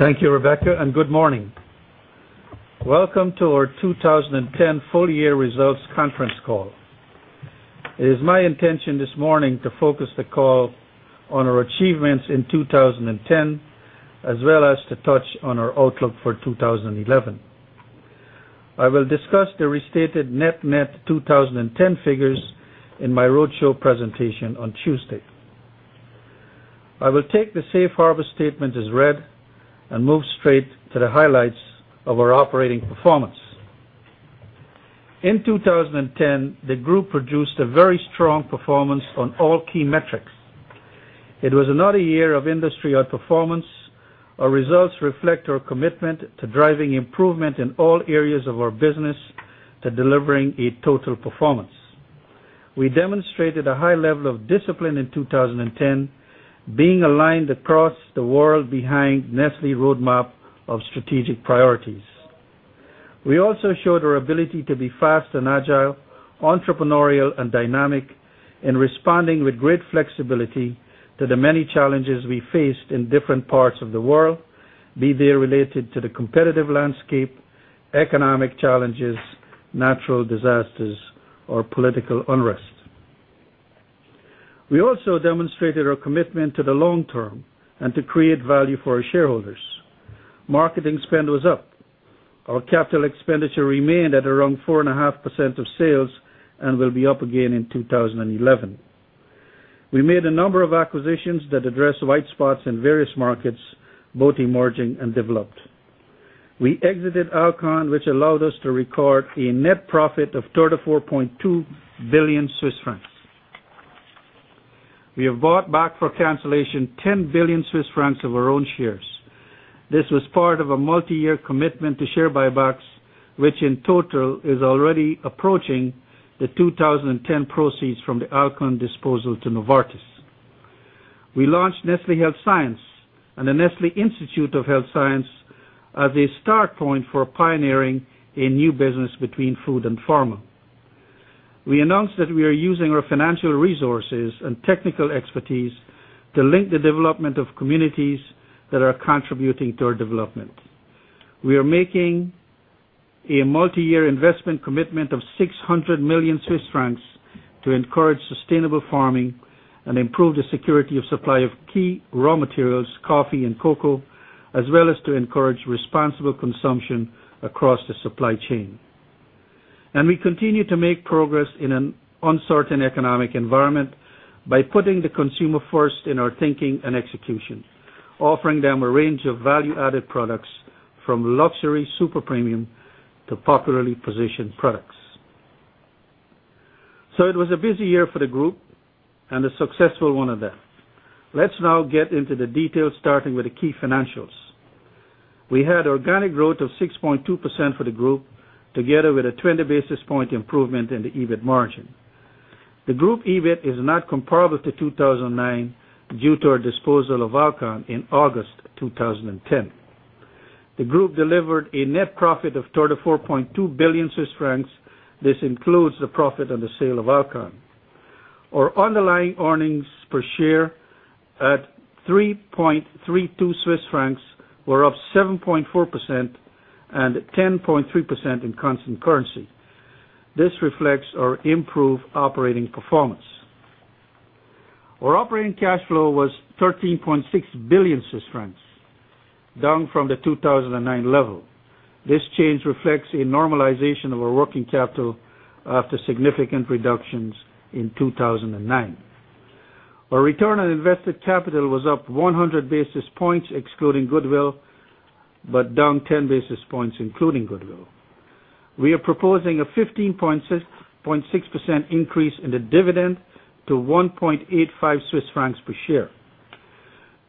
Thank you, Rebecca, and good morning. Welcome to our 2010 full year results conference call. It is my intention this morning to focus the call on our achievements in 2010 as well as to touch on our outlook for 2011. I will discuss the restated net net twenty ten figures in my roadshow presentation on Tuesday. I will take the Safe Harbor statement as read and move straight to the highlights of our operating performance. In 2010, the group produced a very strong performance on all key metrics. It was another year of industry outperformance. Our results reflect our commitment to driving improvement in all areas of our business to delivering a total performance. We demonstrated a high level of discipline in 2010 being aligned across the world behind Nestle roadmap of strategic priorities. We also showed our ability to be fast and agile, entrepreneurial and dynamic and responding with great flexibility to the many challenges we faced in different parts of the world, be they related to the competitive landscape, economic challenges, natural disasters or political unrest. We also demonstrated our commitment to the long term and to create value for our shareholders. Marketing spend was up. Our capital expenditure remained at around 4.5% of sales and will be up again in 2011. We made a number of acquisitions that address white spots in various markets both emerging and developed. We exited Alcon which allowed us to record a net profit of 34,200,000,000 Swiss francs. We have bought back for cancellation CHF10 1,000,000,000 of our own shares. This was part of a multiyear commitment to share buybacks, which in total is already approaching the 2010 proceeds from the Alcon disposal to Novartis. We launched Nestle Health Science and the Nestle Institute of Health Science as a start point for pioneering a new business between food and pharma. We announced that we are using our financial resources and technical expertise to link the development of communities that are contributing to our development. We are making a multiyear investment commitment of 600,000,000 Swiss francs to encourage sustainable farming and improve the security of supply of key raw materials coffee and cocoa as well as to encourage responsible consumption across the supply chain. And we continue to make progress in an uncertain economic environment by putting the consumer first in our thinking and execution, offering them a range of value added products from luxury super premium to popularly positioned products. So it was a busy year for the group and a successful one of them. Let's now get into the details starting with the key financials. We had organic growth of 6.2 percent for the group together with a 20 basis point improvement in the EBIT margin. The group EBIT is not comparable to 2,009 due to our disposal of Alcon in August 2010. The group delivered a net profit of 34,200,000,000 Swiss francs this includes the profit on the sale of Alcon. Our underlying earnings per share at 3.32 Swiss francs were up 7.4% and 10.3% in constant currency. This reflects our improved operating performance. Our operating cash flow was 13,600,000,000 Swiss francs down from the 2,009 level. This change reflects a normalization of our working capital after significant reductions in 2,009. Our return on invested capital was up 100 basis points excluding goodwill, but down 10 basis points including goodwill. We are proposing a 15.6% increase in the dividend to 1.85 Swiss francs per share.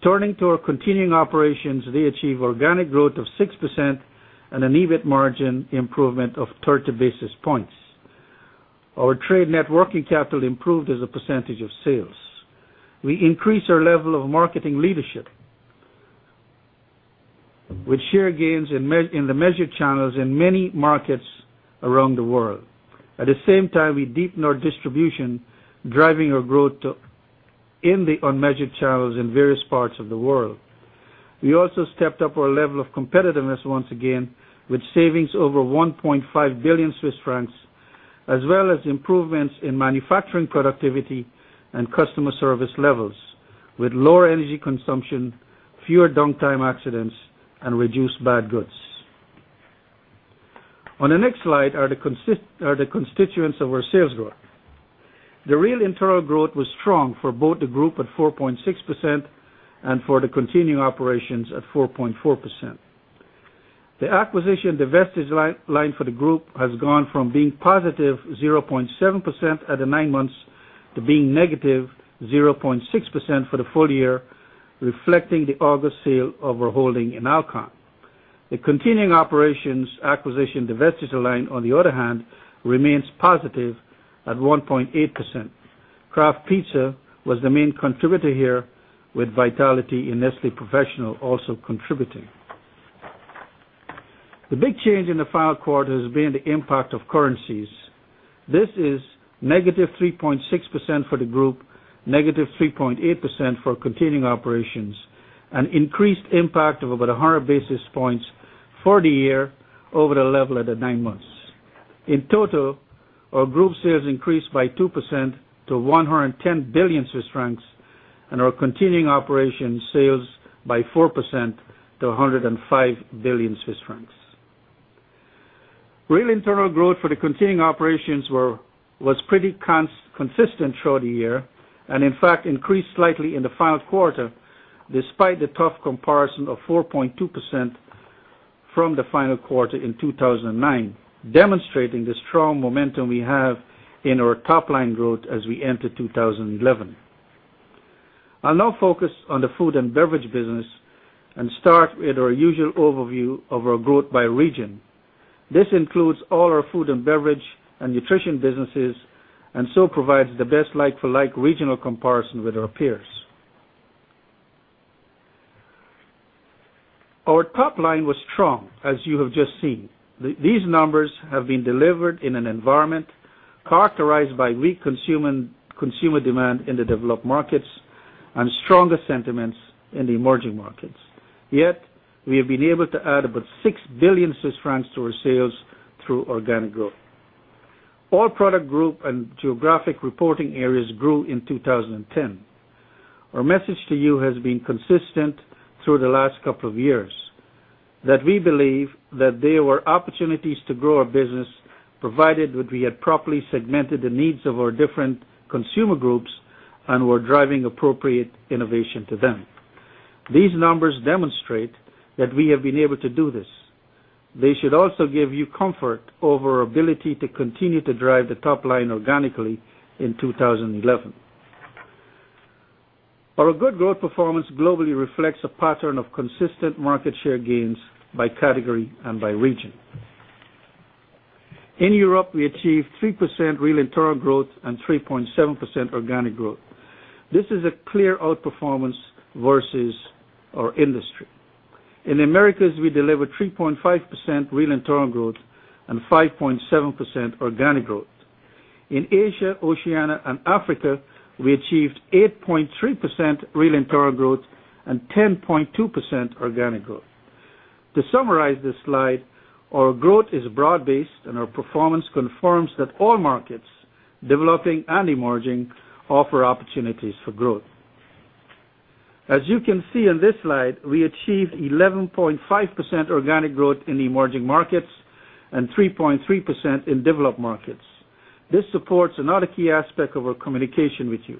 Turning to our continuing operations. They achieved organic growth of 6% and an EBIT margin improvement of 30 basis points. Our trade net working capital improved as a percentage of sales. We increased our level of marketing leadership with share gains in the measured channels in many markets around the world. At the same time, we deepened our distribution driving our growth in the unmeasured channels in various parts of the world. We also stepped up our level of competitiveness once again with savings over 1,500,000,000 Swiss francs as well as improvements in manufacturing productivity and customer service levels with lower energy consumption, fewer downtime accidents and reduced bad goods. On the next slide are the constituents of our sales growth. The real internal growth was strong for both the group at 4.6% and for the continuing operations at 4.4%. The acquisition divestment line for the group has gone from being positive 0.7% at the 9 months to being negative 0.6% for the full year, reflecting the August sale of our holding in Alcon. The continuing operations acquisition divestiture line on the other hand remains positive at 1.8%. Kraft Pizza was the main contributor here with Vitality and Nestle Professional also contributing. The big change in the final quarter has been the impact of currencies. This is negative 3.6 percent for the group, negative 3.8% for containing operations and increased impact of about 100 basis points for the year over the level of the 9 months. In total, our group sales increased by 2% to 110,000,000,000 Swiss francs and our continuing operations sales by 4% to CHF105 1,000,000,000 Real internal growth for the continuing operations were was pretty consistent throughout the year and in fact increased slightly in the final quarter despite the tough comparison of 4.2% from the final quarter in 2,009 demonstrating the strong momentum we have in our top line growth as we enter 2011. I'll now focus on the Food and Beverage business and start with our usual overview of our growth by region. This includes all our Food and Beverage and Nutrition businesses and so provides the best like for like regional comparison with our peers. Our top line was strong as you have just seen. These numbers have been delivered in an environment characterized by weak consumer demand in the developed markets and stronger sentiments in the emerging markets. Yet, we have been able to add about 6,000,000,000 Swiss francs to our sales through organic growth. All product group and geographic reporting areas grew in 2010. Our message to you has been consistent through the last couple of years that we believe that there were opportunities to grow our business provided that we had properly segmented the needs of our different consumer groups and we're driving appropriate innovation to them. These numbers demonstrate that we have been able to do this. They should also give you comfort over our ability to continue to drive the top line organically in 2011. Our good growth performance globally reflects a pattern of consistent market share gains by category and by region. In Europe, we achieved 3% real internal growth and 3.7% organic growth. This is a clear outperformance versus our industry. In the Americas, we delivered 3.5% real internal growth and 5.7% organic growth. In Asia, Oceania and Africa, we achieved 8.3% real internal growth and 10.2% organic growth. To summarize this slide, our growth is broad based and our performance confirms that all markets developing and emerging offer opportunities for growth. As you can see in this slide, we achieved 11.5% organic growth in emerging markets and 3.3% in developed markets. This supports another key aspect of our communication with you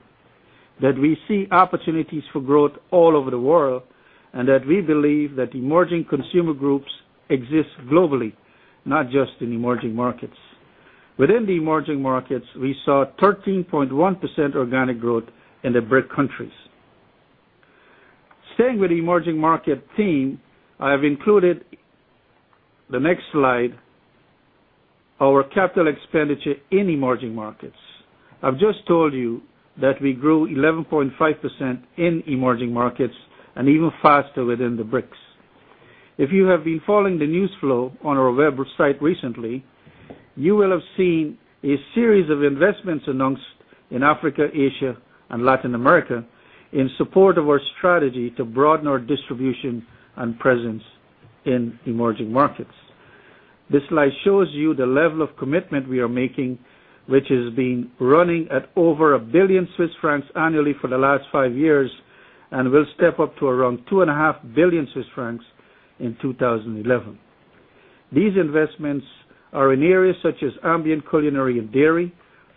that we see opportunities for growth all over the world and that we believe that emerging consumer groups exist globally not just in emerging markets. Within the emerging markets, we saw 13.1% organic growth in the BRIC countries. Staying with the emerging market theme, I have included the next slide our capital expenditure in emerging markets. I've just told you that we grew 11.5% in emerging markets and even faster within the BRICS. If you have been following the news flow on our Web site recently, you will have seen a series of investments announced in Africa, Asia and Latin America in support of our strategy to broaden our distribution and presence in emerging markets. This slide shows you the level of commitment we are making, which has been running at over 1,000,000,000 Swiss francs annually for the last 5 years and will step up to around 2,500,000,000 Swiss francs in 2011. These investments are in areas such as ambient culinary and dairy,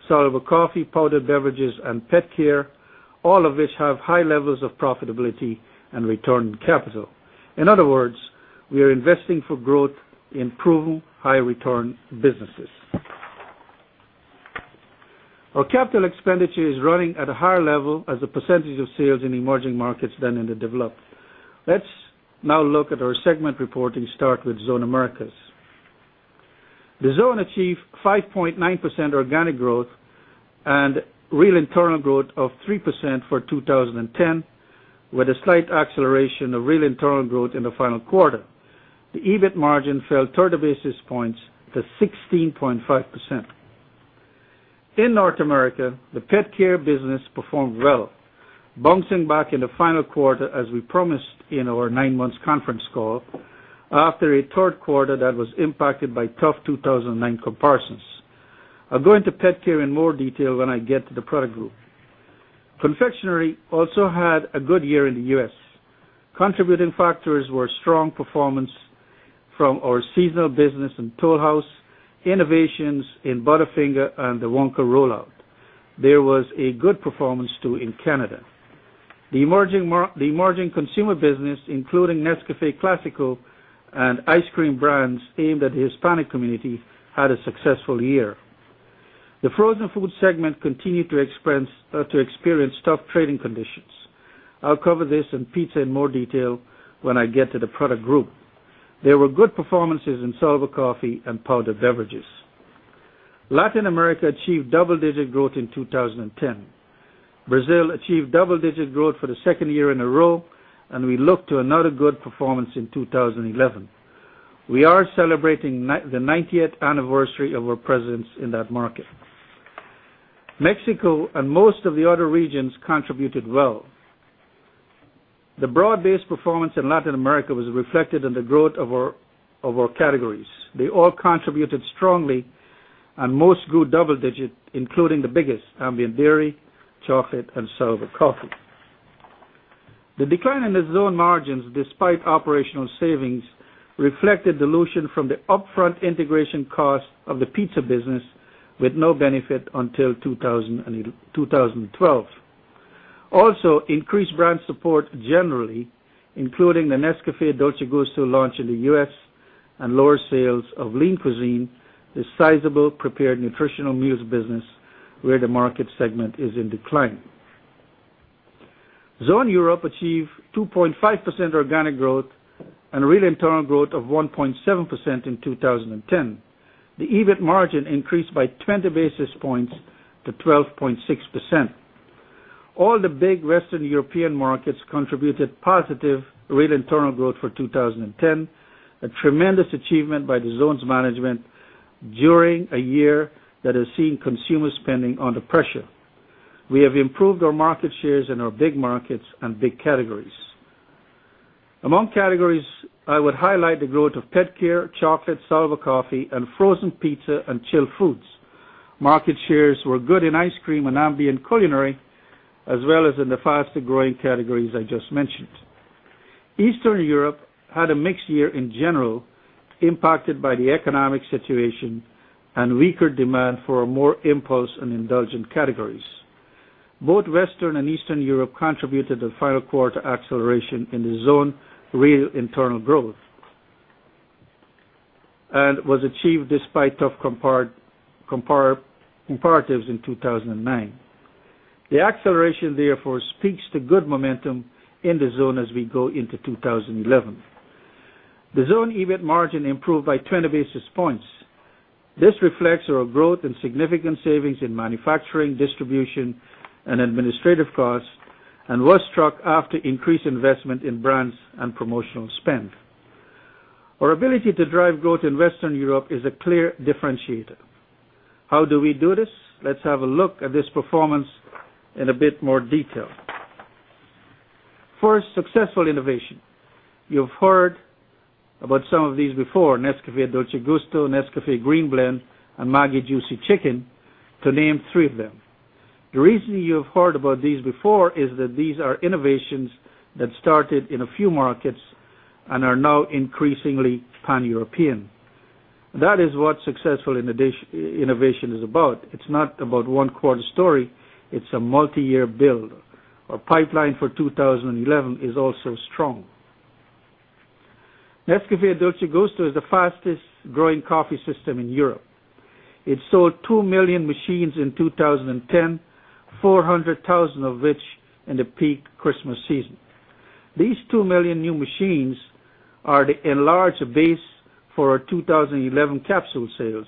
soluble coffee, powdered beverages and pet care, all of which have high levels of profitability and return on capital. In other words, we are investing for growth in proven high return businesses. Our capital expenditure is running at a higher level as a percentage of sales in emerging markets than in the developed. Let's now look at our segment reporting start with Zone Americas. The Zone achieved 5.9% organic growth and real internal growth of 3% for 2010 with a slight acceleration of real internal growth in the final quarter. The EBIT margin fell 30 basis points to 16.5%. In North America, the pet care business performed well, bouncing back in the final quarter as we promised in our 9 months conference call after a third quarter that was impacted by tough 2,009 comparisons. I'll go into pet care in more detail when I get to the product group. Confectionery also had a good year in the U. S. Contributing factors were strong performance from our seasonal business in Toll House, innovations in Butterfinger and the Wonka rollout. There was a good performance too in Canada. The emerging consumer business including Nescafe Classico and ice cream brands aimed at the Hispanic community had a successful year. The frozen food segment continued to experience tough trading conditions. I'll cover this in pizza in more detail when I get to the product group. There were good performances in salvo coffee and powdered beverages. Latin America achieved double digit growth in 2010. Brazil achieved double digit growth for the 2nd year in a row and we look to another good performance in 2011. We are celebrating the 90th anniversary of our presence in that market. Mexico and most of the other regions contributed well. The broad based performance in Latin America was reflected in the growth of our categories. They all contributed strongly and most grew double digit including the biggest ambient dairy, chocolate and salivary coffee. The decline in the zone margins despite operational savings reflected dilution from the upfront integration cost of the pizza business with no benefit until 2012. Also increased brand support generally including the Nescafe Dolce Gusto launch in the U. S. And lower sales of Lean Cuisine, the sizable prepared nutritional meals business where the market segment is in decline. Zone Europe achieved 2.5% organic growth and real internal growth of 1.7% in 2010. The EBIT margin increased by 20 basis points to 12.6%. All the big Western European markets contributed positive real internal growth for 2010, a tremendous achievement by the zones management during a year that has seen consumer spending under pressure. We have improved our market shares in our big markets and big categories. Among categories, I would highlight the growth of pet care, chocolate, salvo coffee and frozen pizza and chilled foods. Market shares were good in ice cream and ambient culinary as well as in the faster growing categories I just mentioned. Eastern Europe had a mixed year in general impacted by the economic situation and weaker demand for more impulse and indulgent categories. Both Western and Eastern Europe contributed the final quarter acceleration in the zone real internal growth and was achieved despite tough comparatives in 2,009. The acceleration therefore speaks to good momentum in the zone as we go into 2011. The zone EBIT margin improved by 20 basis points. This reflects our growth in significant savings in manufacturing, distribution and administrative costs and was struck after increased investment in brands and promotional spend. Our ability to drive growth in Western Europe is a clear differentiator. How do we do this? Let's have a look at this performance in a bit more detail. 1st successful innovation. You've heard about some of these before, Nescafe Dolce Gusto, Nescafe Green Blend and Maggi Juicy Chicken to name 3 of them. The reason you have heard about these before is that these are innovations that started in a few markets and are now increasingly pan European. That is what successful innovation is about. It's not about 1 quarter story. It's a multiyear build. Our pipeline for 2011 is also strong. Nescafe Dolce Gusto is the fastest growing coffee system in Europe. It sold 2,000,000 machines in 2010, 400,000 of which in the peak Christmas season. These 2,000,000 new machines are the enlarged base for our 2011 capsule sales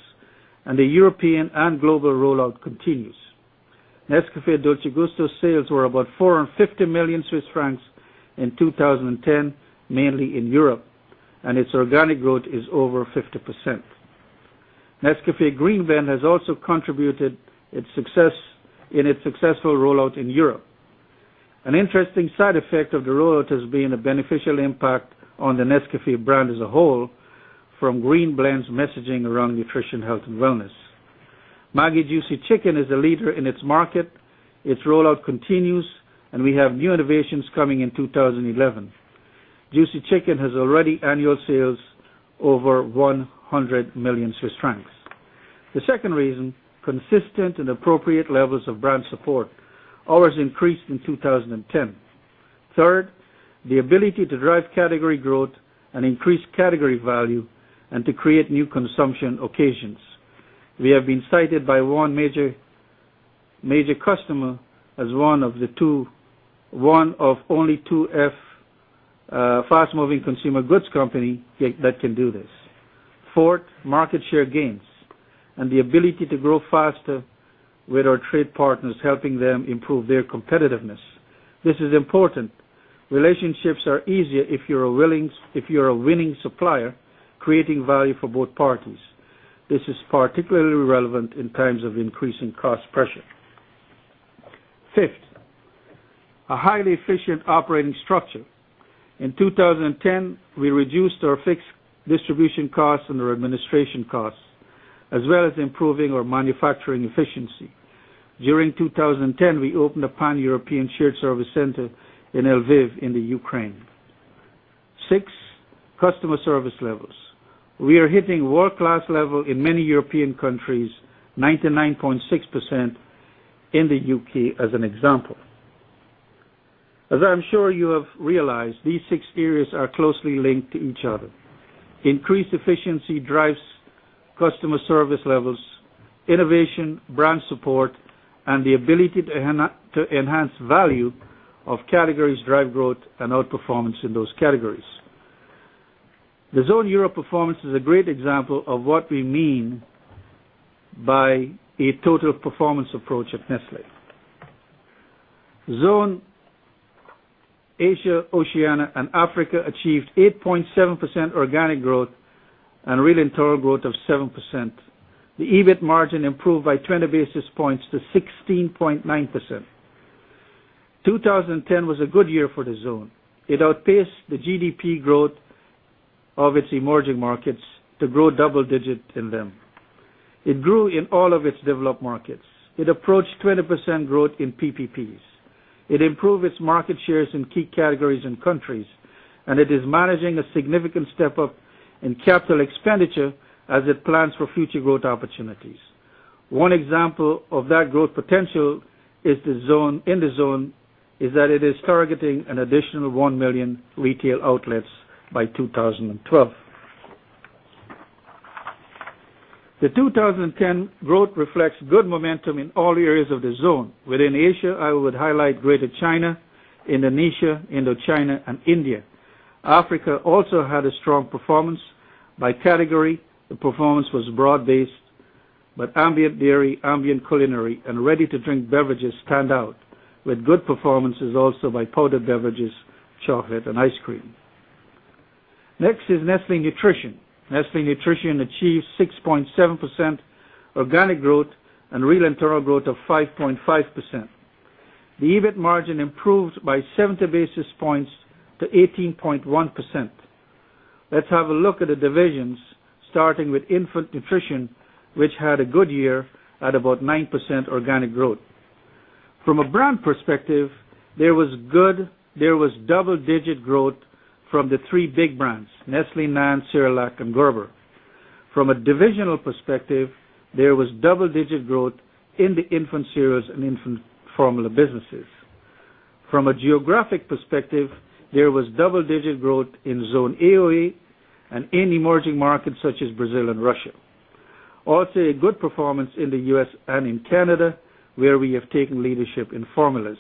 and the European and global rollout continues. Nescafe Dolce Gusto sales were about CHF450 1,000,000 in 2010 mainly in Europe and its organic growth is over 50%. Nescafe Greenbend has also contributed its success in its successful rollout in Europe. An interesting side effect of the rollout has been a beneficial impact on the Nescafe brand as a whole from Greenblend's messaging around nutrition, health and wellness. Maggie's Juicy Chicken is a leader in its market. Its rollout continues and we have new innovations coming in 2011. Juicy Chicken has already annual sales over 100,000,000 Swiss francs. The second reason consistent and appropriate levels of brand support, ours increased in 2010. 3rd, the ability to drive category growth and increase category value and to create new consumption occasions. We have been cited by 1 major customer as one of the 2 1 of only 2F fast moving consumer goods company that can do this. 4th, market share gains and the ability to grow faster with our trade partners helping them improve their competitiveness. This is important. Relationships are easier if you're a willing supplier creating value for both parties. This is particularly relevant in times of increasing cost pressure. 5th, a highly efficient operating structure. In 2010, we reduced our fixed distribution costs and our administration costs as well as improving our manufacturing efficiency. During 2010, we opened a pan European shared service center in Lviv in the Ukraine. 6, customer service levels. We are hitting world class level in many European countries 99.6% in the U. K. As an example. As I'm sure you have realized, these six areas are closely linked to each other. Increased efficiency drives customer service levels, innovation, brand support and the ability to enhance value of categories drive growth and outperformance in those categories. The Zone Europe performance is a great example of what we mean by a total performance approach at Nestle. Zone Asia, Oceania and Africa achieved 8.7 percent organic growth and real internal growth of 7%. The EBIT margin improved by 20 basis points to 16.9%. 2010 was a good year for the zone. It outpaced the GDP growth of its emerging markets to grow double digit in them. It grew in all of its developed markets. It approached 20% growth in PPPs. It improved its market shares in key categories and countries and it is managing a significant step up in capital expenditure as it plans for future growth opportunities. One example of that growth potential is the zone in the zone is that it is targeting an additional 1,000,000 retail outlets by 2012. The 2010 growth reflects good momentum in all areas of the zone. Within Asia, I would highlight Greater China, Indonesia, Indochina and India. Africa also had a strong performance. By category, the performance was broad based, but ambient dairy, ambient culinary and ready to drink beverages stand out with good performances also by powdered beverages, chocolate and ice cream. Next is Nestle Nutrition. Nestle Nutrition achieved 6.7% organic growth and ReLentura growth of 5.5%. The EBIT margin improved by 70 basis points to 18.1%. Let's have a look at the divisions starting with infant nutrition, which had a good year at about 9% organic growth. From a brand perspective, there was good there was double digit growth from the 3 big brands Nestle, NAND, Sirilac and Gerber. From a divisional perspective, there was double digit growth in the infant cereals and infant formula businesses. From a geographic perspective, there was double digit growth in Zone AOE and in emerging markets such as Brazil and Russia. Also a good performance in the U. S. And in Canada where we have taken leadership in formulas.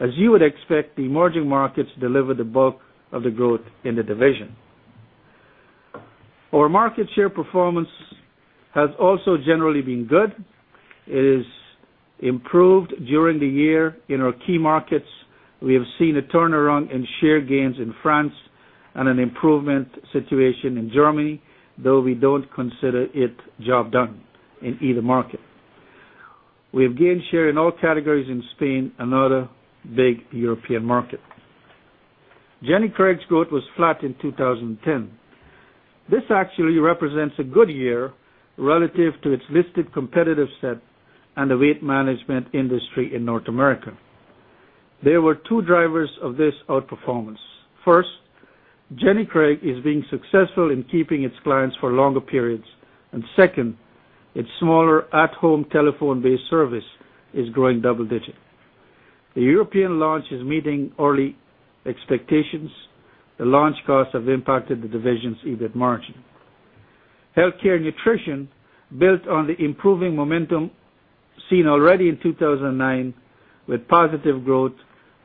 As you would expect the emerging markets deliver the bulk of the growth in the division. Our market share performance has also generally been good. It has improved during the year in our key markets. We have seen a turnaround in share gains in France and an improvement situation in Germany, though we don't consider it job done in either market. We have gained share in all categories in Spain and other big European market. Jenny Craig's growth was flat in 2010. This actually represents a good year relative to its listed competitive set and the weight management industry in North America. There were 2 drivers of this outperformance. 1st, Jenny Craig is being successful in keeping its clients for longer periods. And second, its smaller at home telephone based service is growing double digit. The European launch is meeting early expectations. The launch costs have impacted the division's EBIT margin. Healthcare Nutrition built on the improving momentum seen already in 2,009 with positive growth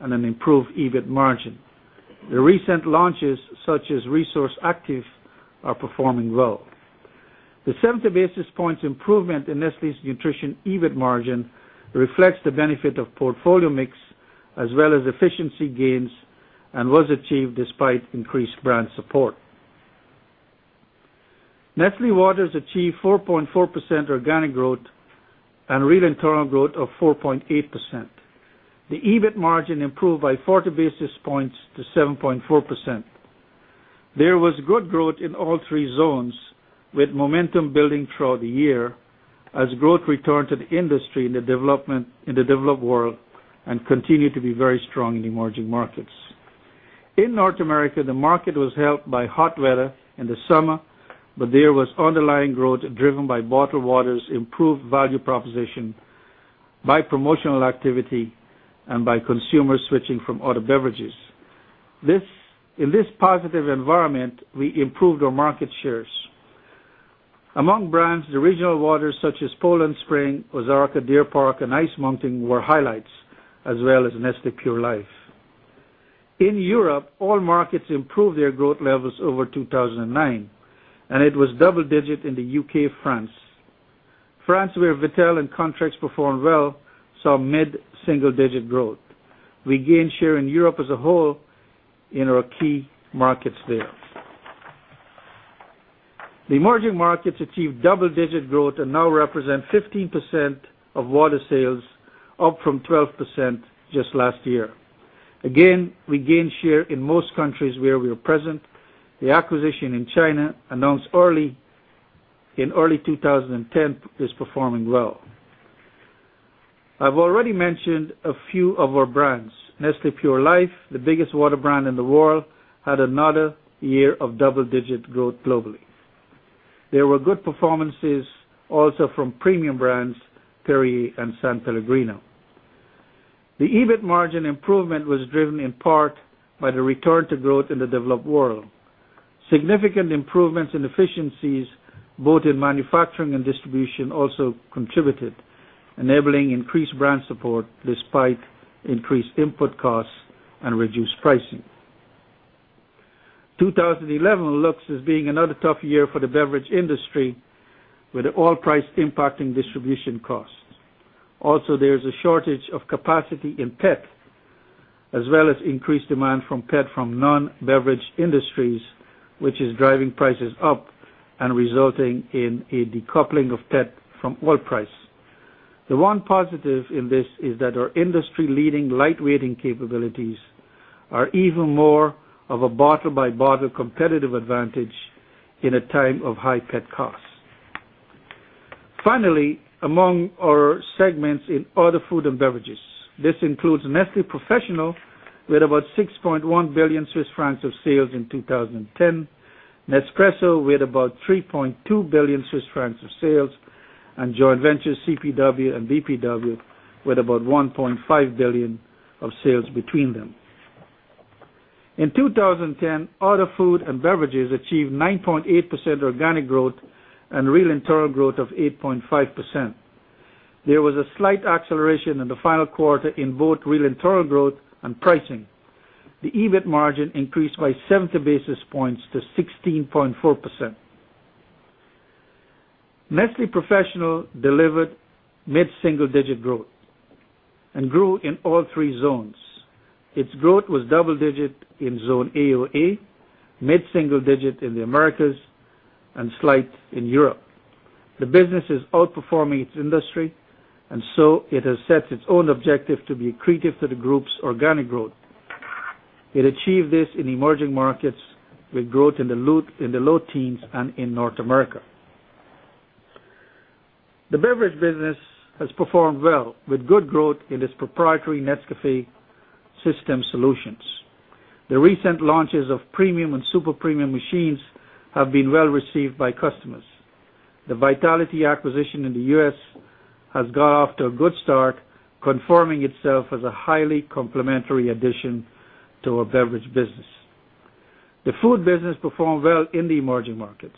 and an improved EBIT margin. The recent launches such as Resource Active are performing well. The 70 basis points improvement in Nestle's Nutrition EBIT margin reflects the benefit of portfolio mix as well as efficiency gains and was achieved despite increased brand support. Nestle Waters achieved 4.4% organic growth and real internal growth of 4.8%. The EBIT margin improved by 40 basis points to 7.4%. There was good growth in all three zones with momentum building throughout the year as growth returned to the industry in the developed world and continued to be very strong in emerging markets. In North America, the market was helped by hot weather in the summer, but there was underlying growth driven by bottled water's improved value proposition by promotional activity and by consumers switching from other beverages. This in this positive environment, we improved our market shares. Among brands, the regional waters such as Poland Spring, Ozarka Deer Park and Ice Mountain were highlights as well as Neste Pure Life. In Europe, all markets improved their growth levels over 2,009 and it was double digit in the U. K. France. France where Vitell and contracts performed well saw mid single digit growth. We gained share in Europe as a whole in our key markets there. The emerging markets achieved double digit growth and now represent 15% of water sales, up from 12% just last year. Again, we gained share in most countries where we are present. The acquisition in China announced early in early 2010 is performing well. I've already mentioned a few of our brands. Nestle Pure Life, the biggest water brand in the world had another year of double digit growth globally. There were good performances also from premium brands Perrier and San Pellegrino. The EBIT margin improvement was driven in part by the return to growth in the developed world. Significant improvements in efficiencies both in manufacturing and distribution also contributed, enabling increased brand support despite increased input costs and reduced pricing. 2011 looks as being another tough year for the beverage industry with oil price impacting distribution costs. Also there is a shortage of capacity in pet as well as increased demand from pet from non beverage industries, which is driving prices up and resulting in a decoupling of pet from oil price. The one positive in this is that our industry leading light weighting capabilities are even more of a bottle by bottle competitive advantage in a time of high pet costs. Finally, among our segments in other food and beverages. This includes Nestle Professional with about 6.1 billion Swiss francs of sales in 2010 Nespresso with about 3.2 billion Swiss francs of sales and joint ventures CPW and VPW with about 1.5 billion of sales between them. In 2010, auto food and beverages achieved 9.8% organic growth and real internal growth of 8.5%. There was a slight acceleration in the final quarter in both real internal growth and pricing. The EBIT margin increased by 70 basis Professional delivered mid single digit growth and grew in all three zones. Its growth was double digit in Zone AOA, mid single digit in the Americas and slight in Europe. The business is outperforming its industry and so it has set its own objective to be accretive to the group's organic growth. It achieved this in emerging markets with growth in the low teens and in North America. The beverage business has performed well with good growth in its proprietary Netscape system solutions. The recent launches of premium and super premium machines have been well received by customers. The Vitality acquisition in the U. S. Has gone off to a good start conforming itself as a highly complementary addition to our beverage business. The food business performed well in the emerging markets.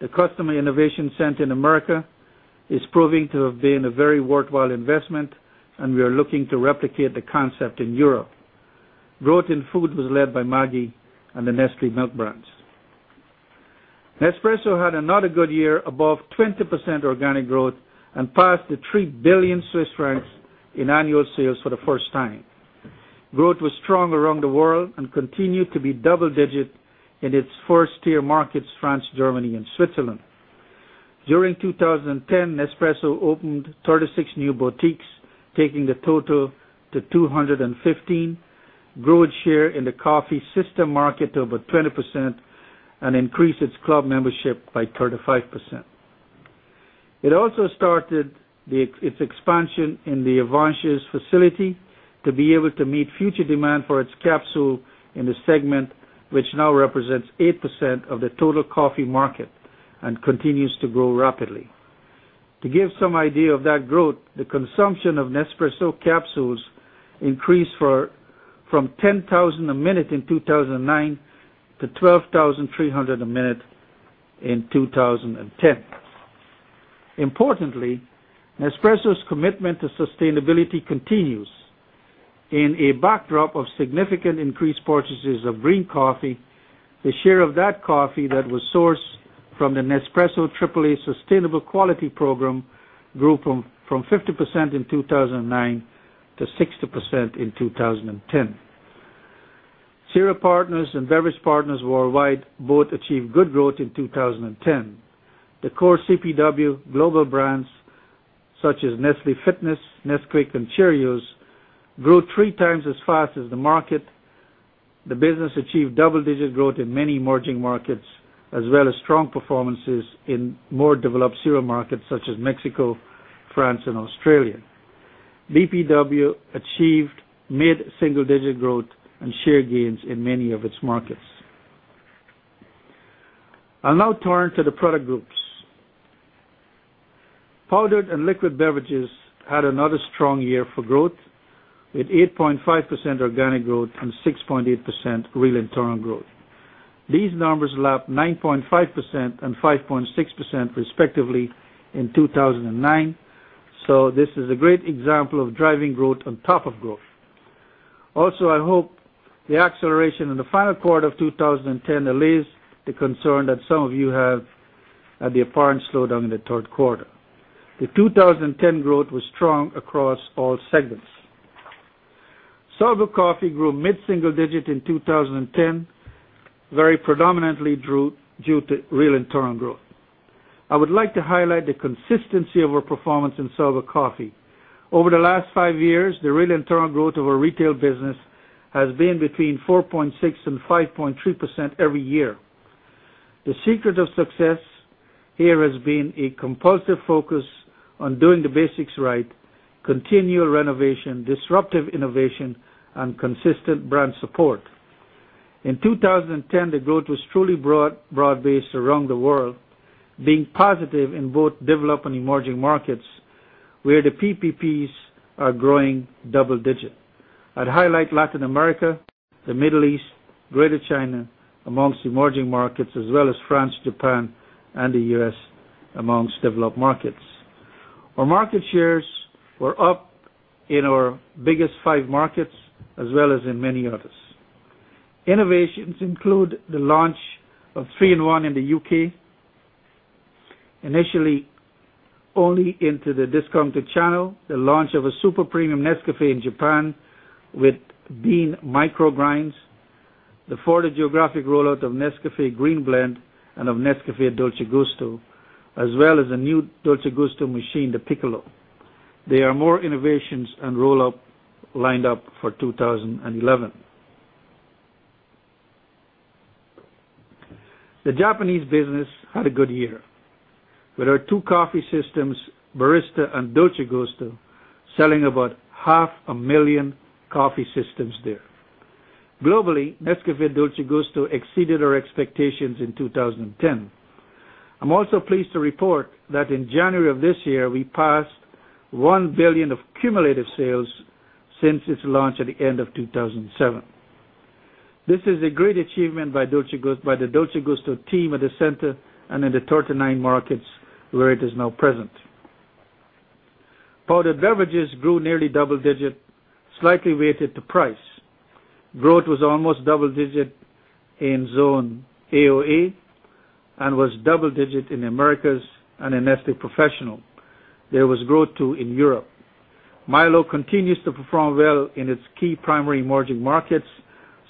The customer innovation sent in America is proving to have been a very worthwhile investment and we are looking to replicate the concept in Europe. Growth in food was led by Maggi and the Neste Milk brands. Nespresso had another good year above 20 percent organic growth and passed the CHF3 1,000,000,000 in annual sales for the first time. Growth was strong around the world and continued to be double digit in its 1st tier markets France, Germany and Switzerland. During 2010 Nespresso opened 36 new boutiques taking the total to 215, grew its share in the coffee system market to about 20% and increased its club membership by 35%. It also started its expansion in the Avances facility to be able to meet future demand for its capsule in the segment, which now represents 8% of the total coffee market and continues to grow rapidly. To give some idea of that growth, the consumption of Nespresso capsules increased from 10,000 a minute in 2,009 to 12,300 a minute in 2010. Importantly, Nespresso's commitment to sustainability continues In a backdrop of significant increased purchases of green coffee, the share of that coffee that was sourced from the Nespresso AAA Sustainable Quality Program grew from 50% in 2,009 to 60% in 2010. Cereal Partners and Beverage Partners Worldwide both achieved good growth in 2010. The core CPW global brands such as Nestle Fitness, Nesquake and Cheerios grew 3 times as fast as the market. The business achieved double digit growth in many emerging markets as well as strong performances in more developed cereal markets such as Mexico, France and Australia. BPW achieved mid single digit growth and share gains in many of its markets. I'll now turn to the product groups. Powdered and liquid beverages had another strong year for growth with 8.5% organic growth and 6 0.8% real internal growth. These numbers lapped 9.5% and 5.6% respectively in 2,009. So this is a great example of driving growth on top of growth. Also I hope the acceleration in the final quarter of 2010 delays the concern that some of you have at the apparent slowdown in the Q3. The 2010 growth was strong across all segments. Salvo Coffee grew mid single digit in 2010, very predominantly due to real internal growth. I would like to highlight the consistency of our performance in SORVA coffee. Over the last 5 years, the real internal growth of our retail business has been between 4.6% 5.3% every year. The secret of success here has been a compulsive focus on doing the basics right, continued renovation, disruptive innovation and consistent brand support. In 2010, the growth was truly broad based around the world being positive in both developed and emerging markets where the PPPs are growing double digit. I'd highlight Latin America, the Middle East, Greater China amongst emerging markets as well as France, Japan and the U. S. Amongst developed markets. Our market shares were up in our biggest five markets as well as in many others. Innovations include the launch of 3 in-one in the U. K, initially only into the discounted channel the launch of a super premium Nescafe in Japan with bean micro grinds, the further geographic rollout of Nescafe Green Blend and of Nescafe Dolce Gusto as well as a new Dolce Gusto machine the Piccolo. There are more innovations and rollout lined up for 2011. The Japanese business had a good year with our 2 coffee systems Barista and Dolce Gusto selling about 500,000 coffee systems there. Globally, Nescafe Dolce Gusto exceeded our expectations in 2010. I'm also pleased to report that in January of this year, we passed $1,000,000,000 of cumulative sales since its launch at the end of 2007. This is a great achievement by the Dolce Gusto team at the center and in the 39 markets where it is now present. Powdered beverages grew nearly double digit slightly weighted to price. Growth was almost double digit in Zone AOE and was double digit in Americas and in Neste Professional. There was growth too in Europe. Milo continues to perform well in its key primary emerging markets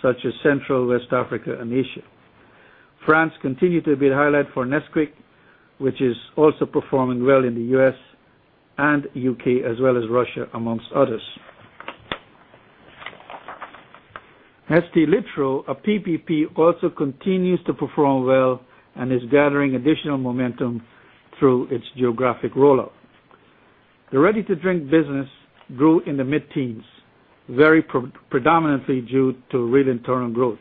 such as Central West Africa and Asia. France continued to be the highlight for Nesquik, which is also performing well in the U. S. And U. K. As well as Russia amongst others. Neste Litro, a PPP also continues to perform well and is gathering additional momentum through its geographic rollout. The ready to drink business grew in the mid teens, very predominantly due to real internal growth.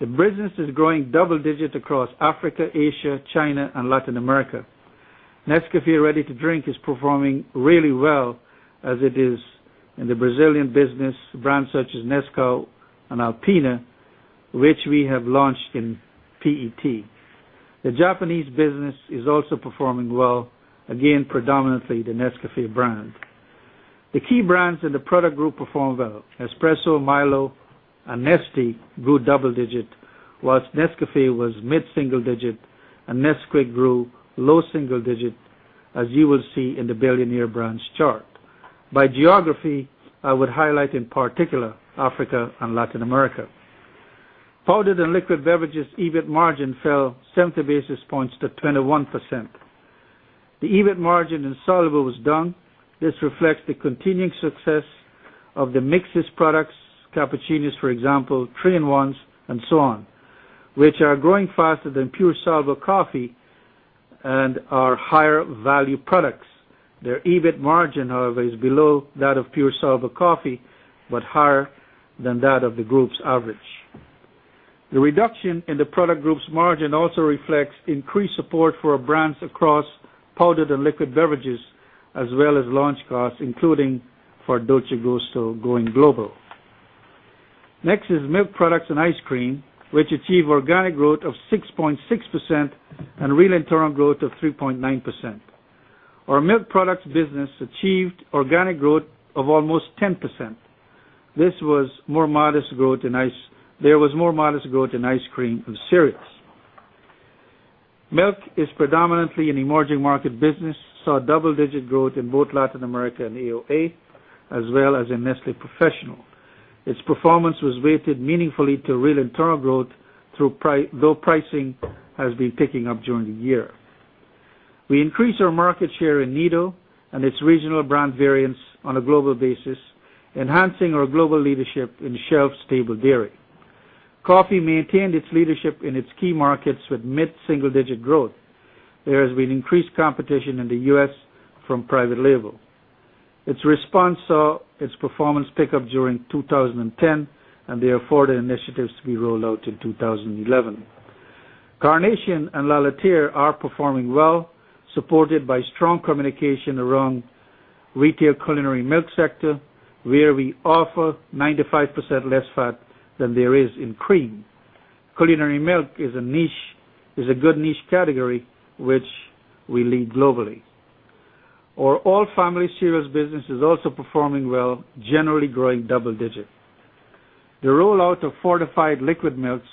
The business is growing double digit across Africa, Asia, China and Latin America. Nescafe Ready to Drink is performing really well as it is in the Brazilian business brands such as Nescau and Alpina, which we have launched in PET. The Japanese business is also performing well, again predominantly the Nescafe brand. The key brands in the product group performed well. Espresso, Milo and Neste grew double digit, whilst Neste was mid single digit and Nesquig grew low single digit as you will see in the Billionaire Brands chart. By geography, I would highlight in particular Africa and Latin America. Powdered and liquid beverages EBIT margin fell 70 basis points to 21%. The EBIT margin in soluble was down. This reflects the continuing success of the mixes products, cappuccinos for example, Trane 1s and so on, which are growing faster than pure salvo coffee and are higher value products. Their EBIT margin however is below that of pure salvo coffee, but higher than that of the group's average. The reduction in the product group's margin also reflects increased support for our brands across powdered and liquid beverages as well as launch costs including for Dolce Gusto going global. Next is milk products and ice cream, which achieved organic growth of 6.6% and real internal growth of 3.9%. Our milk products business achieved organic growth of almost 10%. This was more modest growth in ice there was more modest growth in ice cream and cereals. Milk is predominantly an emerging market business saw double digit growth in both Latin America and AOA as well as in Nestle Professional. Its performance was weighted meaningfully to real internal growth through though pricing has been picking up during the year. We increased our market share in Nido and its regional brand variance on a global basis enhancing our global leadership in shelf stable dairy. Coffee maintained its leadership in its key markets with mid single digit growth. There has been increased competition in the U. S. From private label. Its response saw its performance pickup during 2010 and they are further initiatives to be rolled out in 2011. Carnation and Lalitire are performing well supported by strong communication around retail culinary milk sector where we offer 95% less fat than there is in cream. Culinary milk is a niche is a good niche category, which we lead globally. Our all family cereals business is also performing well generally growing double digit. The rollout of fortified liquid milks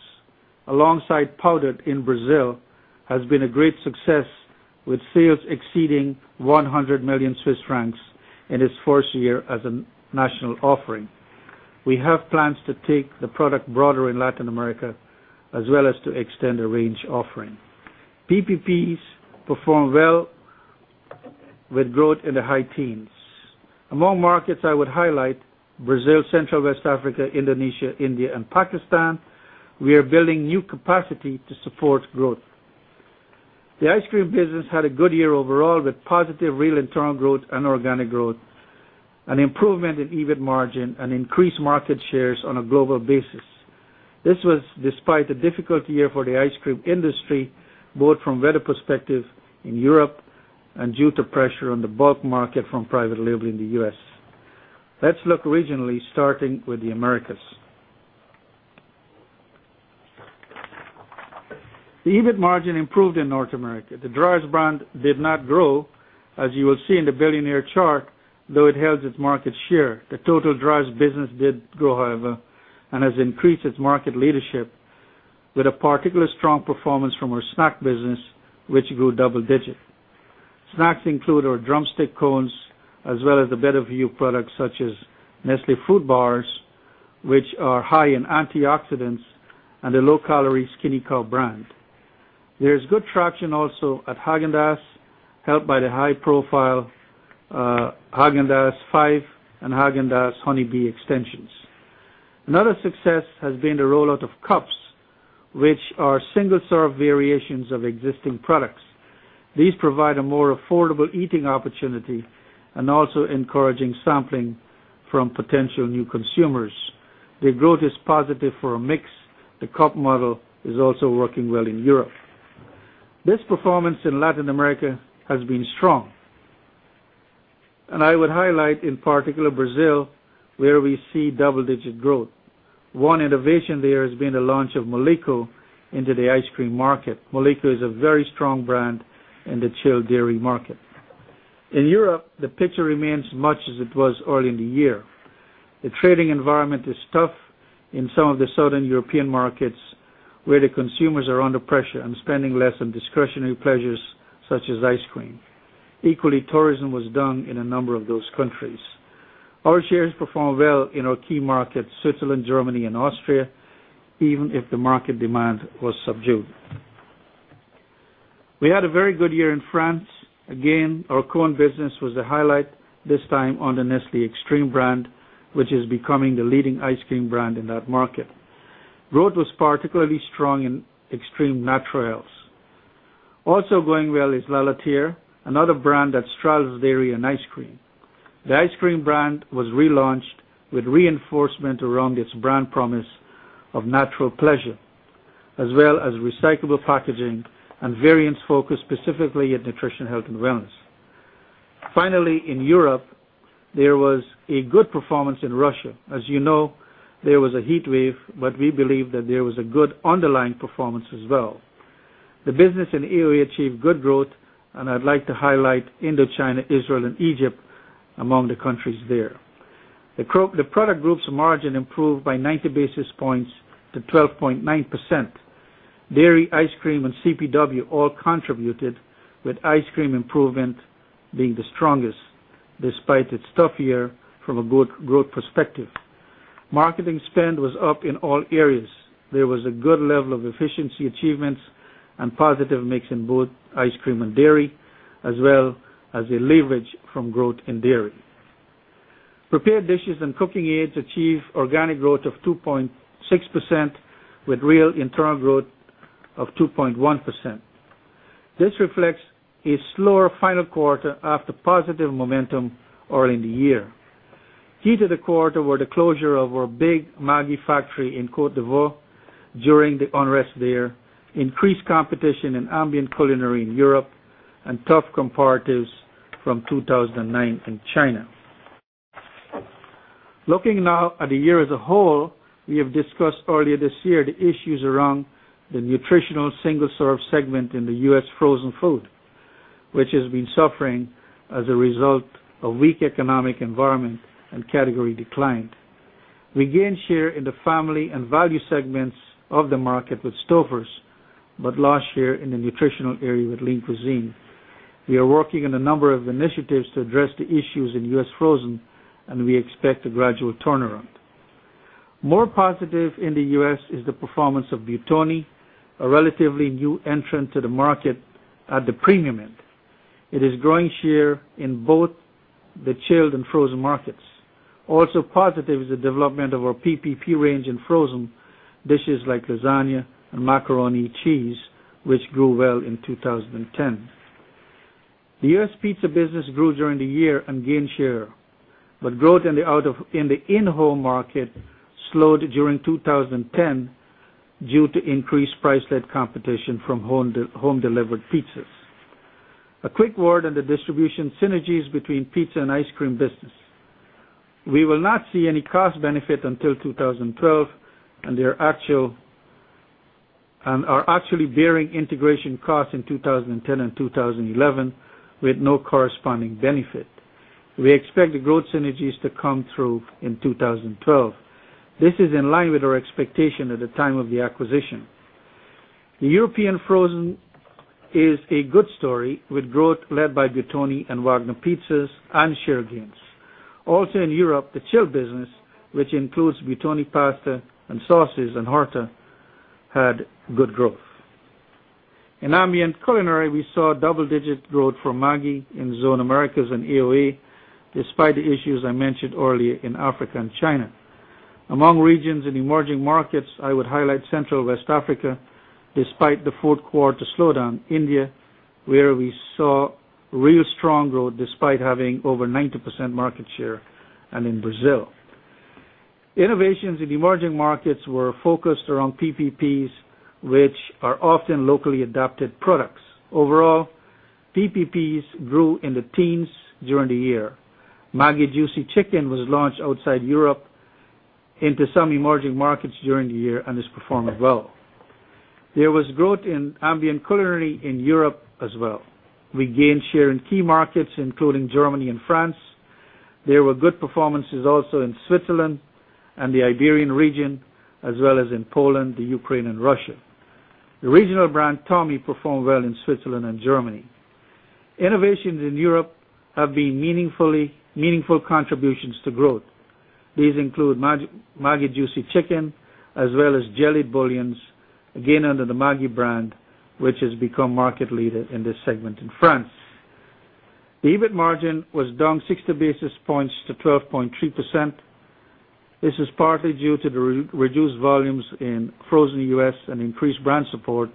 alongside powdered in Brazil has been a great success with sales exceeding 100,000,000 Swiss francs in its 1st year as a national offering. We have plans to take the product broader in Latin America as well as to extend the range offering. PPPs performed well with growth in the high teens. Among markets I would highlight Brazil, Central West Africa, Indonesia, India and Pakistan, we are building new capacity to support growth. The ice cream business had a good year overall with positive real internal growth and organic growth and improvement in EBIT margin and increased market shares on a global basis. This was despite a difficult year for the ice cream industry both from weather perspective in Europe and due to pressure on the bulk market from private label in the U. S. Let's look regionally starting with the Americas. The EBIT margin improved in North America. The Dreyer's brand did not grow as you will see in the billionaire chart though it held its market share. The total dryers business did grow however and has increased its market leadership with a particularly strong performance from our snack business which grew double digit. Snacks include our drumstick cones as well as the better view products such as Nestle Food Bars, which are high in antioxidants and the low calorie Skinny Cow brand. There is good traction also at Haagen Dazs helped by the high profile Haagen Dazs 5 and Haagen Dazs Honey Bee Extensions. Another success has been the rollout of cups, which are single serve variations of existing products. These provide a more affordable eating opportunity and also encouraging sampling from potential new consumers. The growth is positive for a mix. The cup model is also working well in Europe. This performance in Latin America has been strong. And I would highlight in particular Brazil where we see double digit growth. One innovation there has been the launch of Moleco into the ice cream market. Moleko is a very strong brand in the chilled dairy market. In Europe, the picture remains much as it was early in the year. The trading environment is tough in some of the Southern European markets where the consumers are under pressure and spending less on discretionary pleasures such as ice cream. Equally tourism was down in a number of those countries. Our shares performed well in our key markets Switzerland, Germany and Austria even if the market demand was subdued. We had a very good year in France. Again, our co owned business was a highlight this time on the Nestle Extreme brand, which is becoming the leading ice cream brand in that market. Growth was particularly strong in Extreme Naturales. Also going well is L'Alatier, another brand that straddles dairy and ice cream. The ice cream brand was relaunched with reinforcement around its brand promise of natural pleasure as well as recyclable packaging and variants focused specifically in nutrition health and wellness. Finally, in Europe, there was a good performance in Russia. As you know, there was a heat wave, but we believe that there was a good underlying performance as well. The business in EOE achieved good growth and I'd like to highlight Indochina, Israel and Egypt among the countries there. The product group's margin improved by 90 basis points to 12.9%. Dairy, ice cream and CPW all contributed with ice cream improvement being the strongest despite its tough year from a growth perspective. Marketing spend was up in all areas. There was a good level of efficiency achievements and positive mix in both ice cream and dairy as well as a leverage from growth in dairy. Prepared dishes and cooking aids achieved organic growth of 2.6% with real internal growth of 2.1%. This reflects a slower final quarter after positive momentum early in the year. Key to the quarter were the closure of our big Maggi factory in Cote D'ivoire during the unrest there, increased competition in ambient culinary in Europe and tough comparatives from 2,009 in China. Looking now at the year as a whole, we have discussed earlier this year the issues around the nutritional single serve segment in the U. S. Frozen food, which has been suffering as a result of weak economic environment and category decline. We gained share in the family and value segments of the market with Stouffer's, but lost share in the nutritional area with lean cuisine. We are working on a number of initiatives to address the issues in U. S. Frozen we expect a gradual turnaround. More positive in the U. S. Is the performance of butony, a relatively new entrant to the market at the premium end. It is growing share in both the chilled and frozen markets. Also positive is the development our PPP range in frozen dishes like lasagna and macaroni cheese, which grew well in 2010. The U. S. Pizza business grew during the year and gained share, but growth in the out of in the in home market slowed during 2010 due to increased price led competition from home delivered pizzas. A quick word on the distribution synergies between pizza and ice cream business. We will not see any cost benefit until 2012 and their actual and are actually bearing integration costs in 20102011 with no corresponding benefit. We expect the growth synergies to come through in 2012. This is in line with our expectation at the time of the acquisition. The European frozen is a good story with growth led by Butoni and Wagner Pizzas and share gains. Also in Europe, the chilled business, which includes Bitoni pasta and sauces and Horta had good growth. In ambient culinary, we saw double digit growth for Maggi in Zone Americas and AOA despite the issues I mentioned earlier in Africa and China. Among regions in emerging markets, I would highlight Central West Africa, despite the 4th quarter slowdown India, where we saw real strong growth despite having over 90% market share and in Brazil. Innovations in emerging markets were focused around PPPs, which are often locally adopted products. Overall, PPPs grew in the teens during the year. Maggi Juicy Chicken was launched outside Europe into some emerging markets during the year and is performing well. There was growth in ambient culinary in Europe as well. We gained share in key markets including Germany and France. There were good performances also in Switzerland and the Iberian region as well as in Poland, the Ukraine and Russia. The regional brand Tommy performed well in Switzerland and Germany. Innovations in Europe have been meaningful contributions to growth. These include Maggi Juicy Chicken as well as Jelly Bullions again under the Maggi brand, which has become market leader in this segment in France. The EBIT margin was down 60 basis points to 12.3%. This is partly due to the reduced volumes in frozen U. S. And increased brand support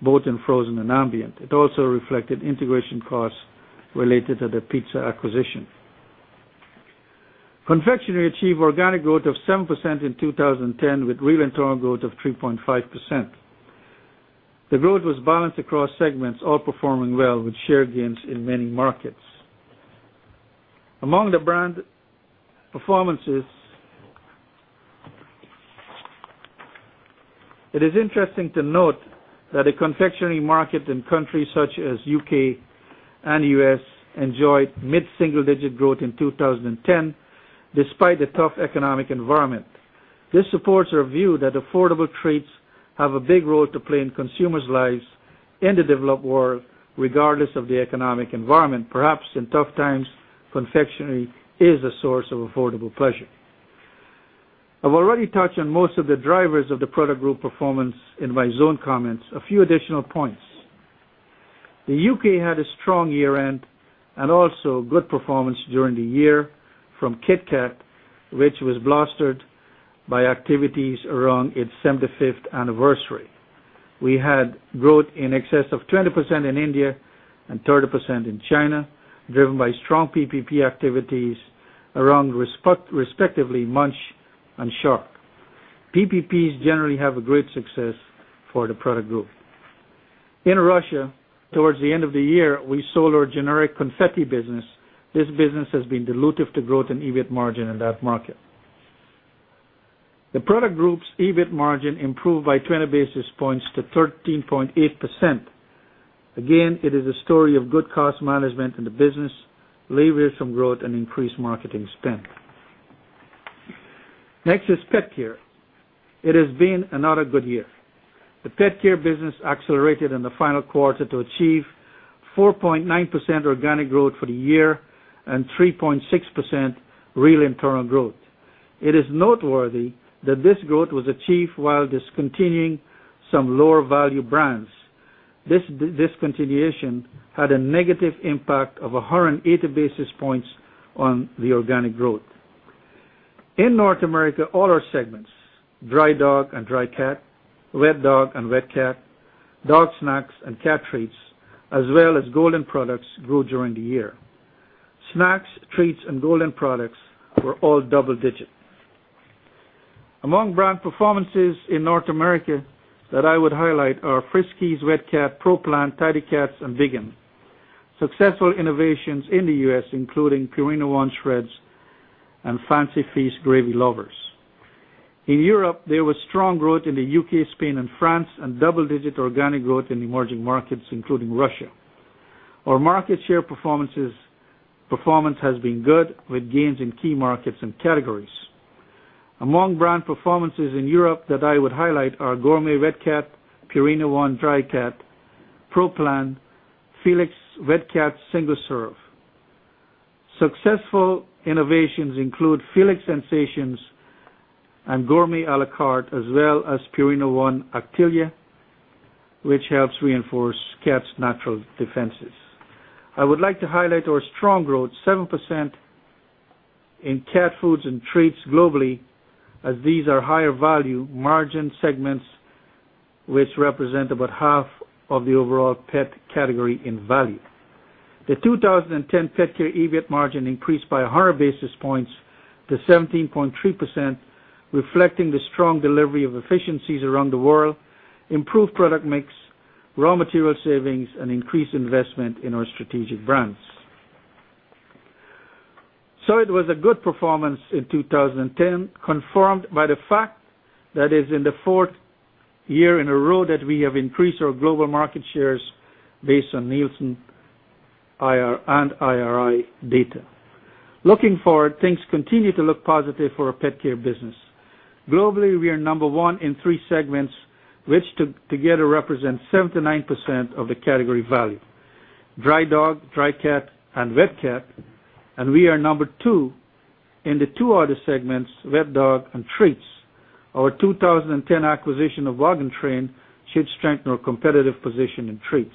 both in frozen and ambient. It also reflected integration costs related to the Pizza acquisition. Confectionery achieved organic growth of 7% in 2010 with real internal growth of 3.5%. The growth was balanced across segments all performing well with share gains in many markets. Among the brand performances, it is interesting to note that the confectionery market in countries such as U. K. And U. S. Enjoyed mid single digit growth in 2010 despite the tough economic environment. This supports our view that affordable treats have a big role to play in consumers' lives in the developed world regardless of the economic environment. Perhaps in tough times confectionery is a source of affordable pleasure. I've already touched on most of the drivers of the product group performance in my zone comments. A few additional points. The U. K. Had a strong year end and also good performance during the year from KitKat, which was bolstered by activities around its 75th anniversary. We had growth in excess of 20% in India and 30% in China, driven by strong PPP activities around respectively Munch and shark. PPPs generally have a great success for the product group. In Russia, towards the end of the year, we sold our generic confetti business. This business has been dilutive to growth in EBIT margin in that market. The Product Group's EBIT margin improved by 20 basis points to 13.8%. Again, it is a story of good cost management in the business, leveraged some growth and increased marketing spend. Next is Pet Care. It has been another good year. The Pet Care business accelerated in the final quarter to achieve 4.9% organic growth for the year and 3.6% real internal growth. It is noteworthy that this growth was achieved while discontinuing some lower value brands. This discontinuation had a negative impact of 180 basis points on the organic growth. In North America, all our segments dry dog and dry cat, wet dog and wet cat, dog snacks and cat treats as well as Golden products grew during the year. Snacks, treats and Golden products were all double digit. Among brand performances in North America that I would highlight are Friskies, Wet Cat, Pro Plant, Tidy Cats and Biggen. Successful innovations in the U. S. Including Purina One Shreds and Fancy Feast Gravy Lovers. In Europe, there was strong growth in the U. K, Spain and France and double digit organic growth in emerging markets including Russia. Our market share performance has been good with gains in key markets and categories. Among brand performances in Europe that I would highlight are Gourmet Wet Cat, Purina 1 Dry Cat, Pro Plan, FELIX Wet Cat Single Serve. Successful innovations include FELIX Sensations and gourmet a lacarte as well as Purina 1 Actylia, which helps reinforce cat's natural defenses. I would like to highlight our strong growth 7% in cat foods and treats globally as these are higher value margin segments which represent about half of the overall pet category in value. The 2010 pet care EBIT margin increased by 100 basis points to 17.3%, reflecting the strong delivery of efficiencies around the world, improved product mix, raw material savings and increased investment in our strategic brands. So it was a good performance in 2010 confirmed by the fact that is in the 4th year in a row that we have increased our global market shares based on Nielsen and IRI data. Looking forward, things continue to look positive for our pet care business. Globally, we are number 1 in 3 segments, which together represents 79% of the category value dry dog, dry cat and wet cat and we are number 2 in the 2 other segments wet dog and treats. Our 2010 acquisition of Waggon Train should strengthen our competitive position in treats.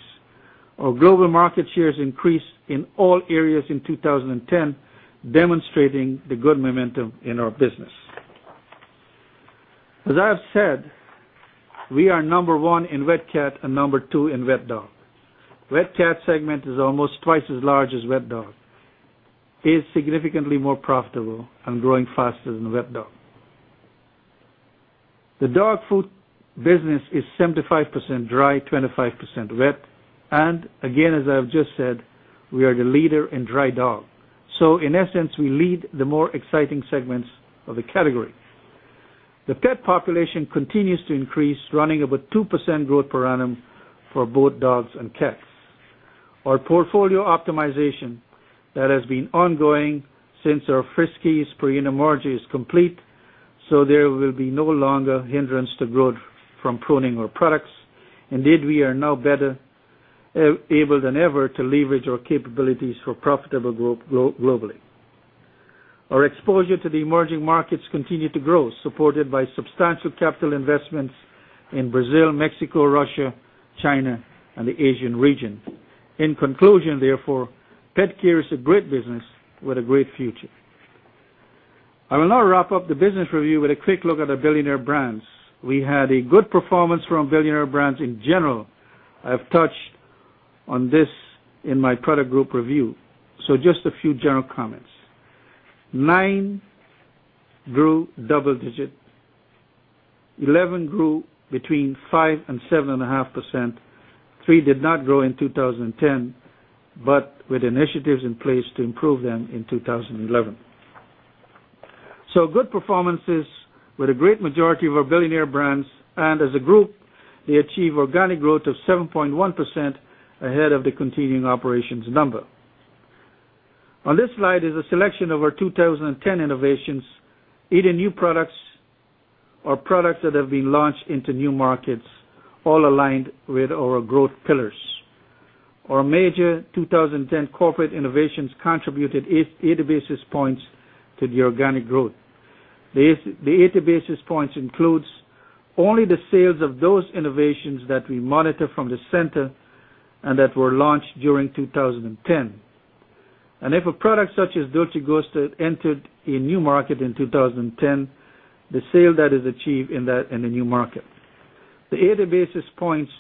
Our global market shares increased in all areas in 2010 demonstrating the good momentum in our business. As I have said, we are number 1 in Wet Cat and number 2 in Wet Dog. Wet Cat segment is almost twice as large as Wet Dog is significantly more profitable and growing faster than Wet Dog. The dog food business is 75% dry, 25% wet. And again, as I've just said, we are the leader in dry dog. So in essence, we lead the more exciting segments of the category. The pet population continues to increase running about 2% growth per annum for both dogs and cats. Our portfolio optimization that has been ongoing since our friskies per unit margin is complete, so there will be no longer hindrance to growth from pruning our products. Indeed, we are now better able than ever to leverage our capabilities for profitable growth globally. Our exposure to the emerging markets continued to grow supported by substantial capital investments in Brazil, Mexico, Russia, China and the Asian region. In conclusion, therefore, PetCare is a great business with a great future. I will now wrap up the business review with a quick look at our Billionaire Brands. We had a good performance from Billionaire Brands in general. I've touched on this in my product group review. So just a few general comments. 9 grew double digit. 11 grew between 5% and 7.5%. 3 did not grow in 2010, but with initiatives in place to improve them in 2011. So good performances with a great majority of our billionaire brands. And as a group, they achieved organic growth of 7.1% ahead of the continuing operations number. On this slide is a selection of our 2010 innovations either new products or products that have been launched into new markets all aligned with our growth pillars. Our major 2010 corporate innovations contributed 80 basis points to the organic growth. The 80 basis points includes only the sales of those innovations that we monitor from the center and that were launched during 2010. And if a product such as Dolce Ghosted entered a new market in 2010, the sale that is achieved in that in the new market. The 80 basis points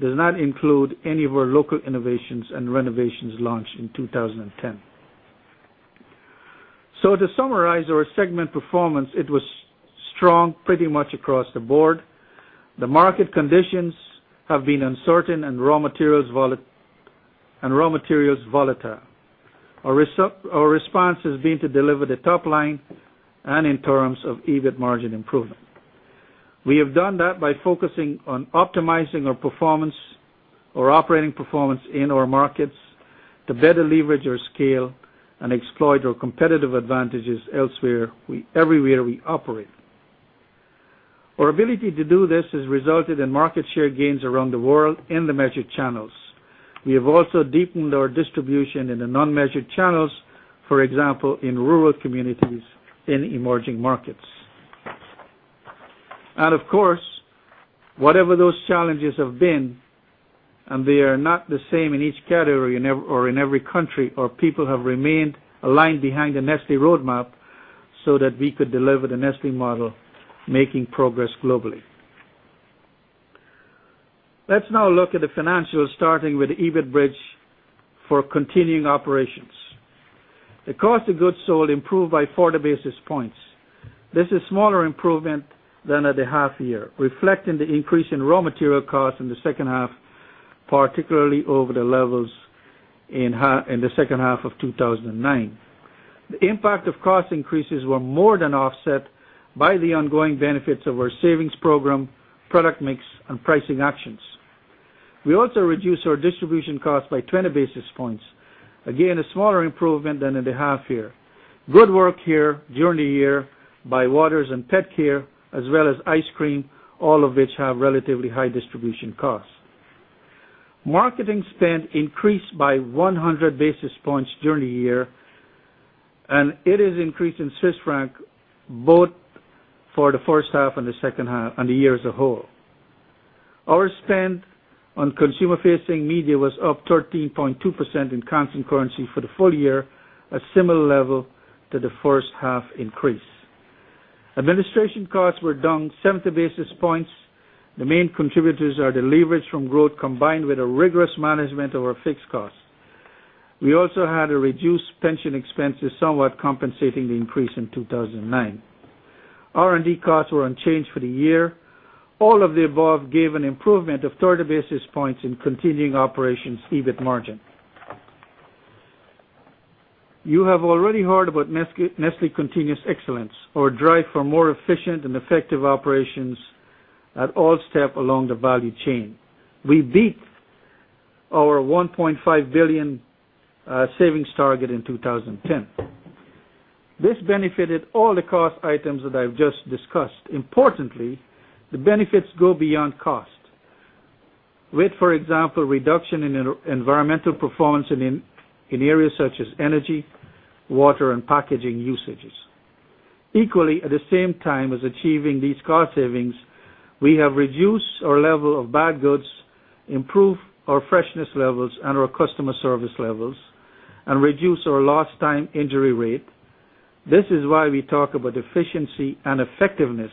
does not include any of our local innovations and renovations launched in 20 10. So to summarize our segment performance, it was strong pretty much across the board. The market conditions have been uncertain and raw materials volatile. Our response has been to deliver the top line and in terms of EBIT margin improvement. We have done that by focusing on optimizing our performance our operating performance in our markets to better leverage our scale and exploit our competitive advantages elsewhere everywhere we operate. Our ability to do this has resulted in market share gains around the world in the measured channels. We have also deepened our distribution in the non measured channels, for example, in rural communities in emerging markets. And of course, whatever those challenges have been and they are not the same in each category or in every country or people have remained aligned behind the Nestle roadmap, so that we could deliver the Nestle model making progress globally. Let's now look at the financials starting with EBIT bridge for continuing operations. The cost of goods sold improved by 40 basis points. This is smaller improvement than at the half year, reflecting the increase in raw material costs in the second half, particularly over the levels in the second half of twenty nineteen. The impact of cost increases were more than offset by the ongoing benefits of our savings program, product mix and pricing actions. We also reduced our distribution costs by 20 basis points, again a smaller improvement than in the half year. Good work here during the year by Waters and Pet Care as well as ice cream all of which have relatively high distribution costs. Marketing spend increased by 100 basis points during the year and it is increasing Swiss francs both for the first half and the second half and the year as a whole. Our spend on consumer facing media was up 13.2% in constant currency for the full year, a similar level to the first half increase. Administration costs were down 70 basis points. The main contributors are the leverage from growth combined with a rigorous management of our fixed costs. We also had a reduced pension expenses somewhat compensating the increase in 2,009. R and D costs were unchanged for the year. All of the above gave an improvement of 30 basis points in continuing operations EBIT margin. You have already heard about Nestle Continuous Excellence or drive for more efficient and effective operations at all step along the value chain. We beat our $1,500,000,000 savings target in 2010. This benefited all the cost items that I've just discussed. Importantly, the benefits go beyond cost with for example reduction in environmental performance in areas such as energy, water and packaging usages. Equally at the same time as achieving these cost savings, we have reduced our level of bad goods, improved our freshness levels and our customer service levels and reduced our lost time injury rate. This is why we talk about efficiency and effectiveness.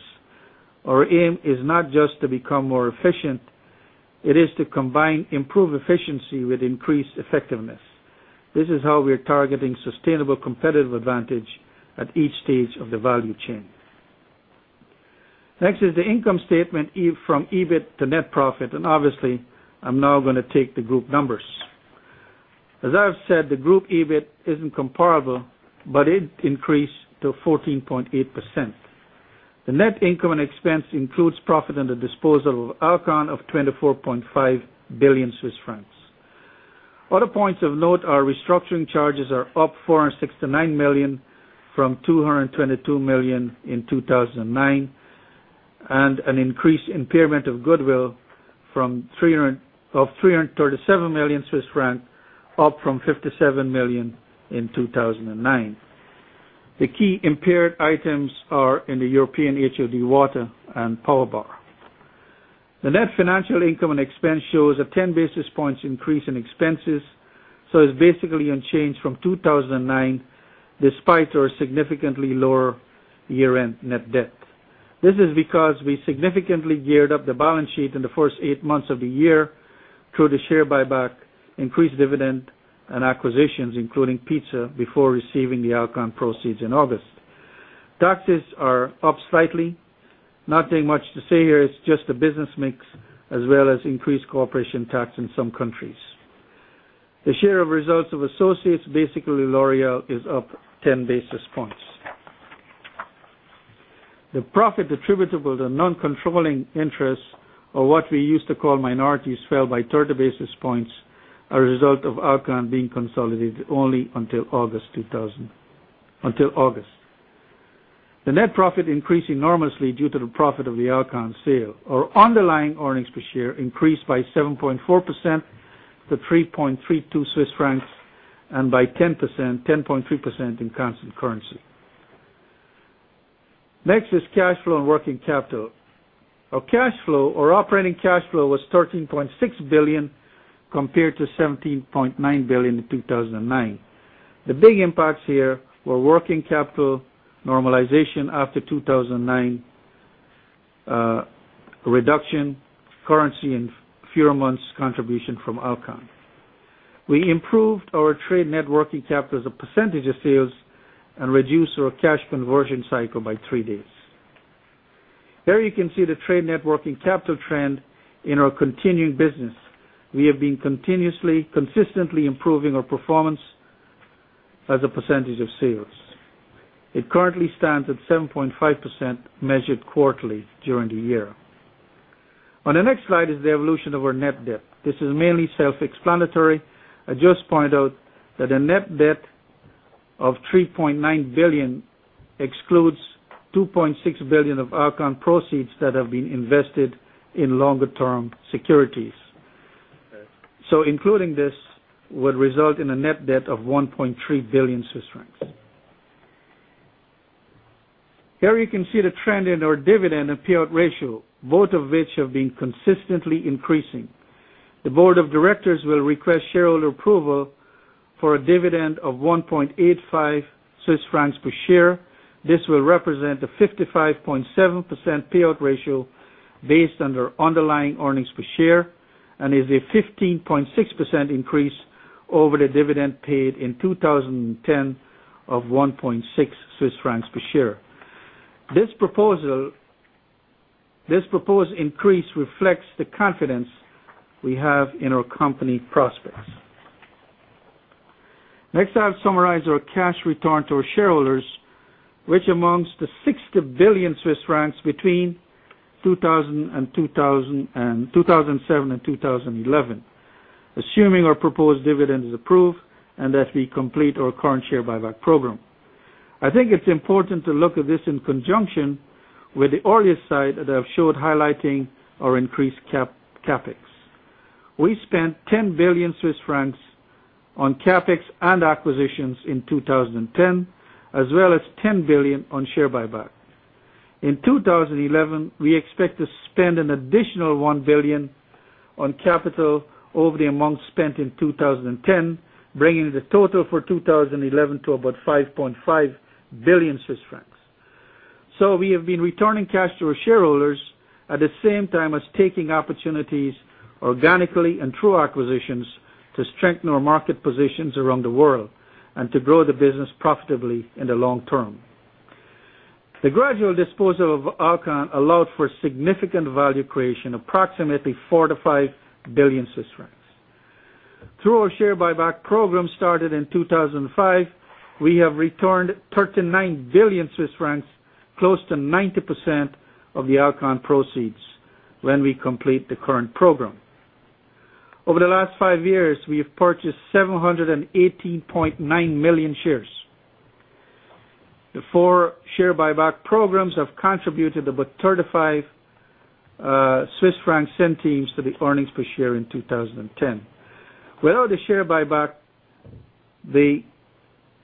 Our aim is not just to become more efficient. It is to combine improved efficiency with increased effectiveness. This is how we are targeting sustainable competitive advantage at each stage of the value chain. Next is the income statement from EBIT to net profit. And obviously, I'm now going to take the group numbers. As I've said, the group EBIT isn't comparable, but it increased to 14.8%. The net income and expense includes profit under disposal of Alcon of 24,500,000,000 Swiss francs. Other points of note are restructuring charges are up 469,000,000 from 222,000,000 in 2,009 and an increase impairment of goodwill from 337,000,000 Swiss francs up from 57,000,000 in 2,009. The key impaired items are in the European HOD Water and PowerBar. The net financial income and expense shows a 10 basis points increase in expenses. So it's basically unchanged from 2,009 despite our significantly lower year end net debt. This is because we significantly geared up the balance sheet in the 1st 8 months of the year through the share buyback, increased dividend and acquisitions including Pizza before receiving the Alcon proceeds in August. Taxes are up slightly. Nothing much to say here. It's just the business mix as well as increased corporation tax in some countries. The share of results of associates basically L'Oreal is up 10 basis points. The profit attributable to non controlling interests or what we used to call minorities fell by 30 basis points a result of Alcon being consolidated only until August 2000 until August. The net profit increased enormously due to the profit of the Alcon sale. Our underlying earnings per share increased by 7.4% to 3.32 Swiss francs and by 10% 10.3% in constant currency. Next is cash flow and working capital. Our cash flow or operating cash flow was $13,600,000,000 compared to $17,900,000,000 in 2,009. The big impacts here were working capital normalization after 2,009 reduction currency and fewer months contribution from Alcon. We improved our trade net working capital as a percentage of sales and reduced our cash conversion cycle by 3 days. There you can see the trade net working capital trend in our continuing business. We have been continuously consistently improving our performance as a percentage of sales. It currently stands at 7.5% measured quarterly during the year. On the next slide is the evolution of our net debt. This is mainly self explanatory. I just pointed out that the net debt of $3,900,000,000 excludes $2,600,000,000 of Alcon proceeds that have been invested in longer term securities. So including this would result in a net debt of 1.3 billion Swiss francs. Here you can see the trend in our dividend and payout ratio both of which have been consistently increasing. The Board of Directors will request shareholder approval for a dividend of 1.85 Swiss francs per share. This will represent a 55.7 percent payout ratio based under underlying earnings per share and is a 15.6% increase over the dividend paid in 20.10 of 1.6 Swiss francs per share. This proposal this proposed increase reflects the confidence we have in our company prospects. Next, I'll summarize our cash return to our shareholders, which amongst the 60,000,000,000 Swiss francs between 2,007 and 2011. Assuming our proposed dividend is approved and that we complete our current share buyback program. I think it's important to look at this in conjunction with the Aureus side that I've showed highlighting our increased CapEx. We spent 10,000,000,000 Swiss francs on CapEx and acquisitions in 2010 as well as 10,000,000,000 on share buyback. In 2011, we expect to spend an additional 1,000,000,000 on capital over the amount spent in 20.10, bringing the total for 20.11 to about 5.5 1,000,000,000. So we have been returning cash to our shareholders at the same time as taking opportunities organically and through acquisitions to strengthen our market positions around the world and to grow the business profitably in the long term. The gradual disposal of Alcon allowed for significant value creation approximately 4,000,000,000 to 5,000,000,000 Swiss francs. Through our share buyback program started in 2,005, we have returned 39,000,000,000 Swiss francs close to 90% of the Alcon proceeds when we complete the current program. Over the last 5 years, we have purchased 718,900,000 shares. The 4 share buyback programs have contributed about 35 Swiss franc centimes to the earnings per share in 20.10. Without the share buyback, the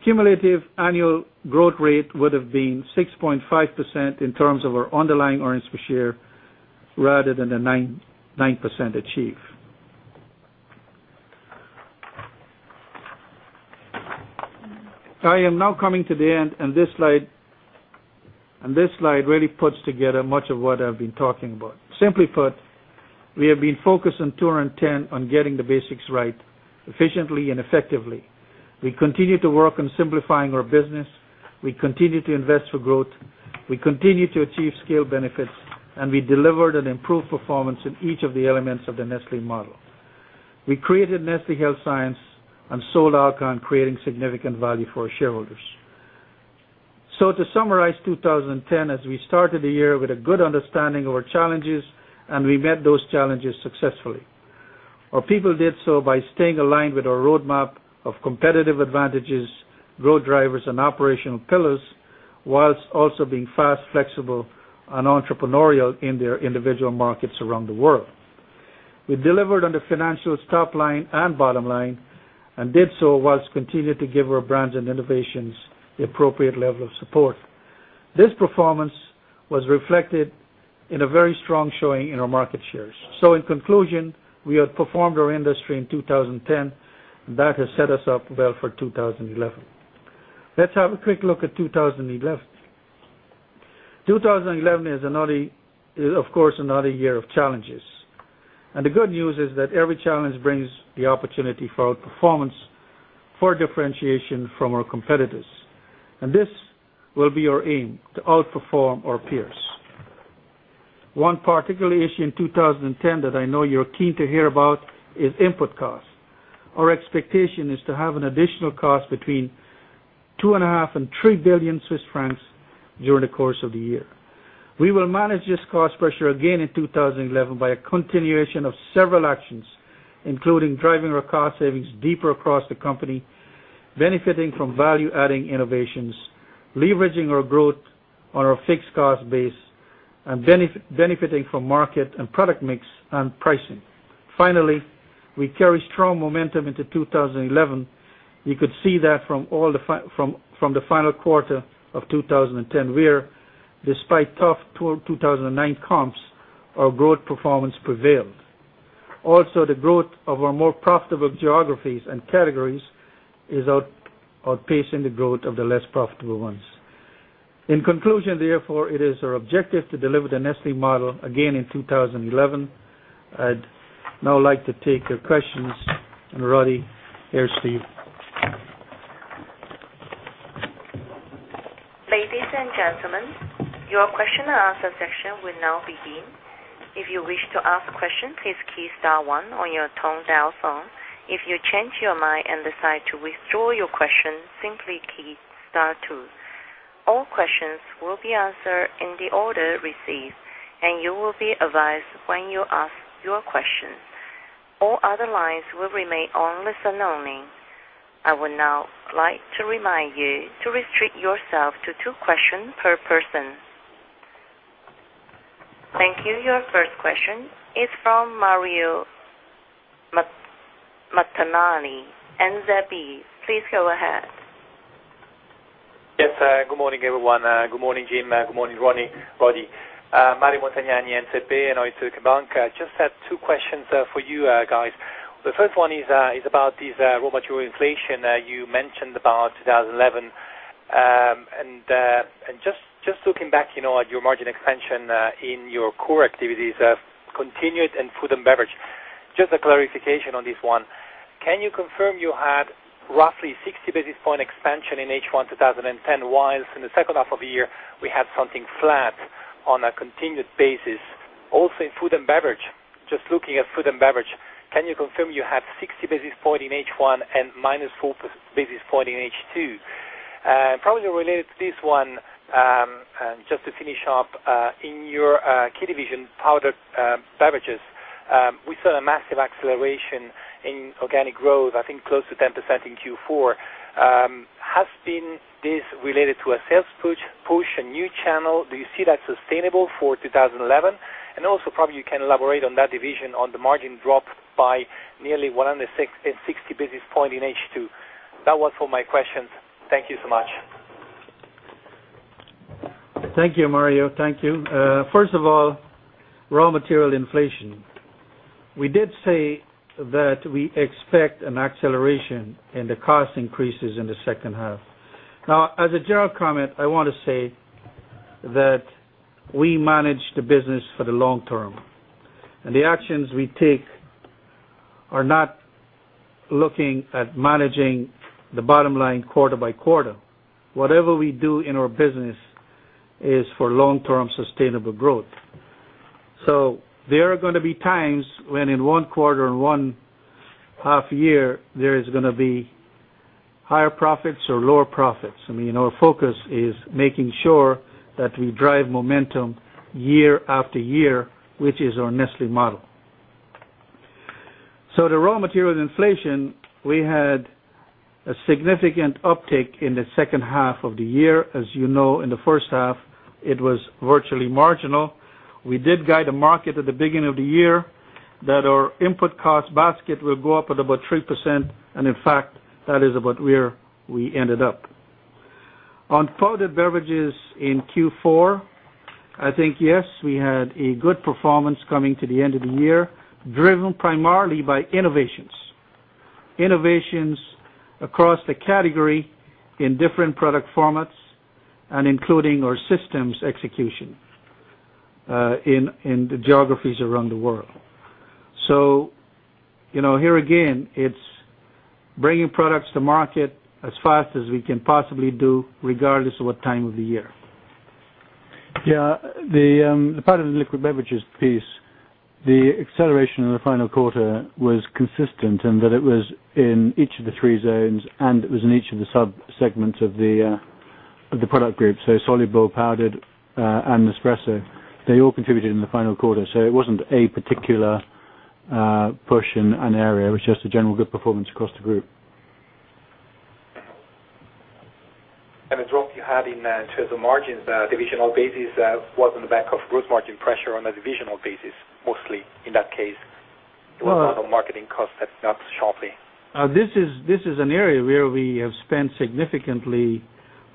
cumulative annual growth rate would have been 6.5% in terms of our underlying earnings per share rather than the 9% achieved. I am now coming to the end and this slide really puts together much of what I've been talking about. Simply put, we have been focused on 210 on getting the basics right efficiently and effectively. We continue to work on simplifying our business. We continue to invest for growth. We continue to achieve scale benefits and we delivered an improved performance in each of the elements of the Nestle model. We created Nestle Health Science and sold Alcon creating significant value for our shareholders. So to summarize, 2010 as we started the year with a good understanding of our challenges and we met those challenges successfully. Our people did so by staying aligned with our roadmap of competitive advantages, growth drivers and operational pillars, whilst also being fast, flexible and entrepreneurial in their individual markets around the world. We delivered on the financials top line and bottom line and did so whilst continued to give our brands and innovations the appropriate level of support. This performance was reflected in a very strong showing in our market shares. So in conclusion, we outperformed our industry in 2010 and that has set us up well for 2011. Let's have a quick look at 2011. 2011 is another is of course another year of challenges. And the good news is that every challenge brings the opportunity for outperformance for differentiation from our competitors. And this will be our aim to outperform our peers. One particular issue in 2010 that I know you're keen to hear about is input costs. Our expectation is to have an additional cost between 2,500,000,000 3,000,000,000 Swiss francs during the course of the year. We will manage this cost pressure again in 2011 by a continuation of several actions including driving our cost savings deeper across the company, benefiting from value adding innovations, leveraging our growth on our fixed cost base and benefiting from market and product mix and pricing. Finally, we carry strong momentum into 2011. You could see that from all the from the final quarter of 2010, we're despite tough 2,009 comps our growth performance prevailed. Also the growth of our more profitable geographies and categories is outpacing the growth of the less profitable ones. In conclusion, therefore, it is our objective to deliver the Nestle model again in 2011. I'd now like to take your questions. And Roddie, Ladies and gentlemen, your question and answer session will now begin. And you will be advised when you ask your questions. All other lines will remain on listen only. Your first question is from Mario Mastinani, NSE. Please go ahead. Yes. Good morning, everyone. Good morning, Jim. Good morning, Ronny. Mario Montanani, NSEB and Deutsche Bank. Just had two questions for you guys. The first one is about these raw material inflation you mentioned about 2011. And just looking back at your margin expansion in your core activities continued in food and beverage, just a clarification on this one. Can you confirm you had roughly 60 basis point expansion in H1 twenty ten, while in the second half of the year, we had something flat on a continued basis? Also in food and beverage, just looking at food and beverage, can you confirm you have 60 basis points in H1 and minus 4 basis points in H2? Probably related to this one, just to finish up, in your key division, powdered beverages, We saw a massive acceleration in organic growth, I think close to 10% in Q4. Has been this related to a sales push, a new channel? Do you see that sustainable for 2011? And also probably you can elaborate on that division on the margin drop by nearly 160 basis point in H2? That was all my questions. Thank you so much. Thank you, Mario. Thank you. First of all, raw material inflation. We did say that we expect an acceleration in the cost increases in the second half. Now as a general comment, I want to say that we manage the business for the long term. And the actions we take are not looking at managing the bottom line quarter by quarter. Whatever we do in our business is for long term sustainable growth. So there are going to be times when in 1 quarter and one half year there is going to be higher profits or lower profits. I mean, our focus is making sure that we drive momentum year after year, which is our Nestle model. So the raw materials inflation, we had a significant uptick in the second half of the year. As you know in the first half, it was virtually marginal. We did guide the market at the beginning of the year that our input cost basket will go up at about 3% and in fact that is about where we ended up. On powdered beverages in Q4, I think yes, we had a good performance coming to the end of the year, driven primarily by innovations. Innovations across the category in different product formats and including our systems execution in the geographies around the world. So here again, it's bringing products to market as fast as we can possibly do regardless of what time of the year. Yes. The part of the liquid beverages piece, the acceleration in the final quarter was consistent and that it was in each of the 3 zones and it was in each of the sub segments of the product group. So soluble, powdered and espresso, they all contributed in the final quarter. So it wasn't a particular push in an area. It was just a general good performance across the group. And the drop you had in terms of margins, divisional basis was on the back of gross margin pressure on a divisional basis mostly in that case. Marketing costs have got sharply? This is an area where we have spent significantly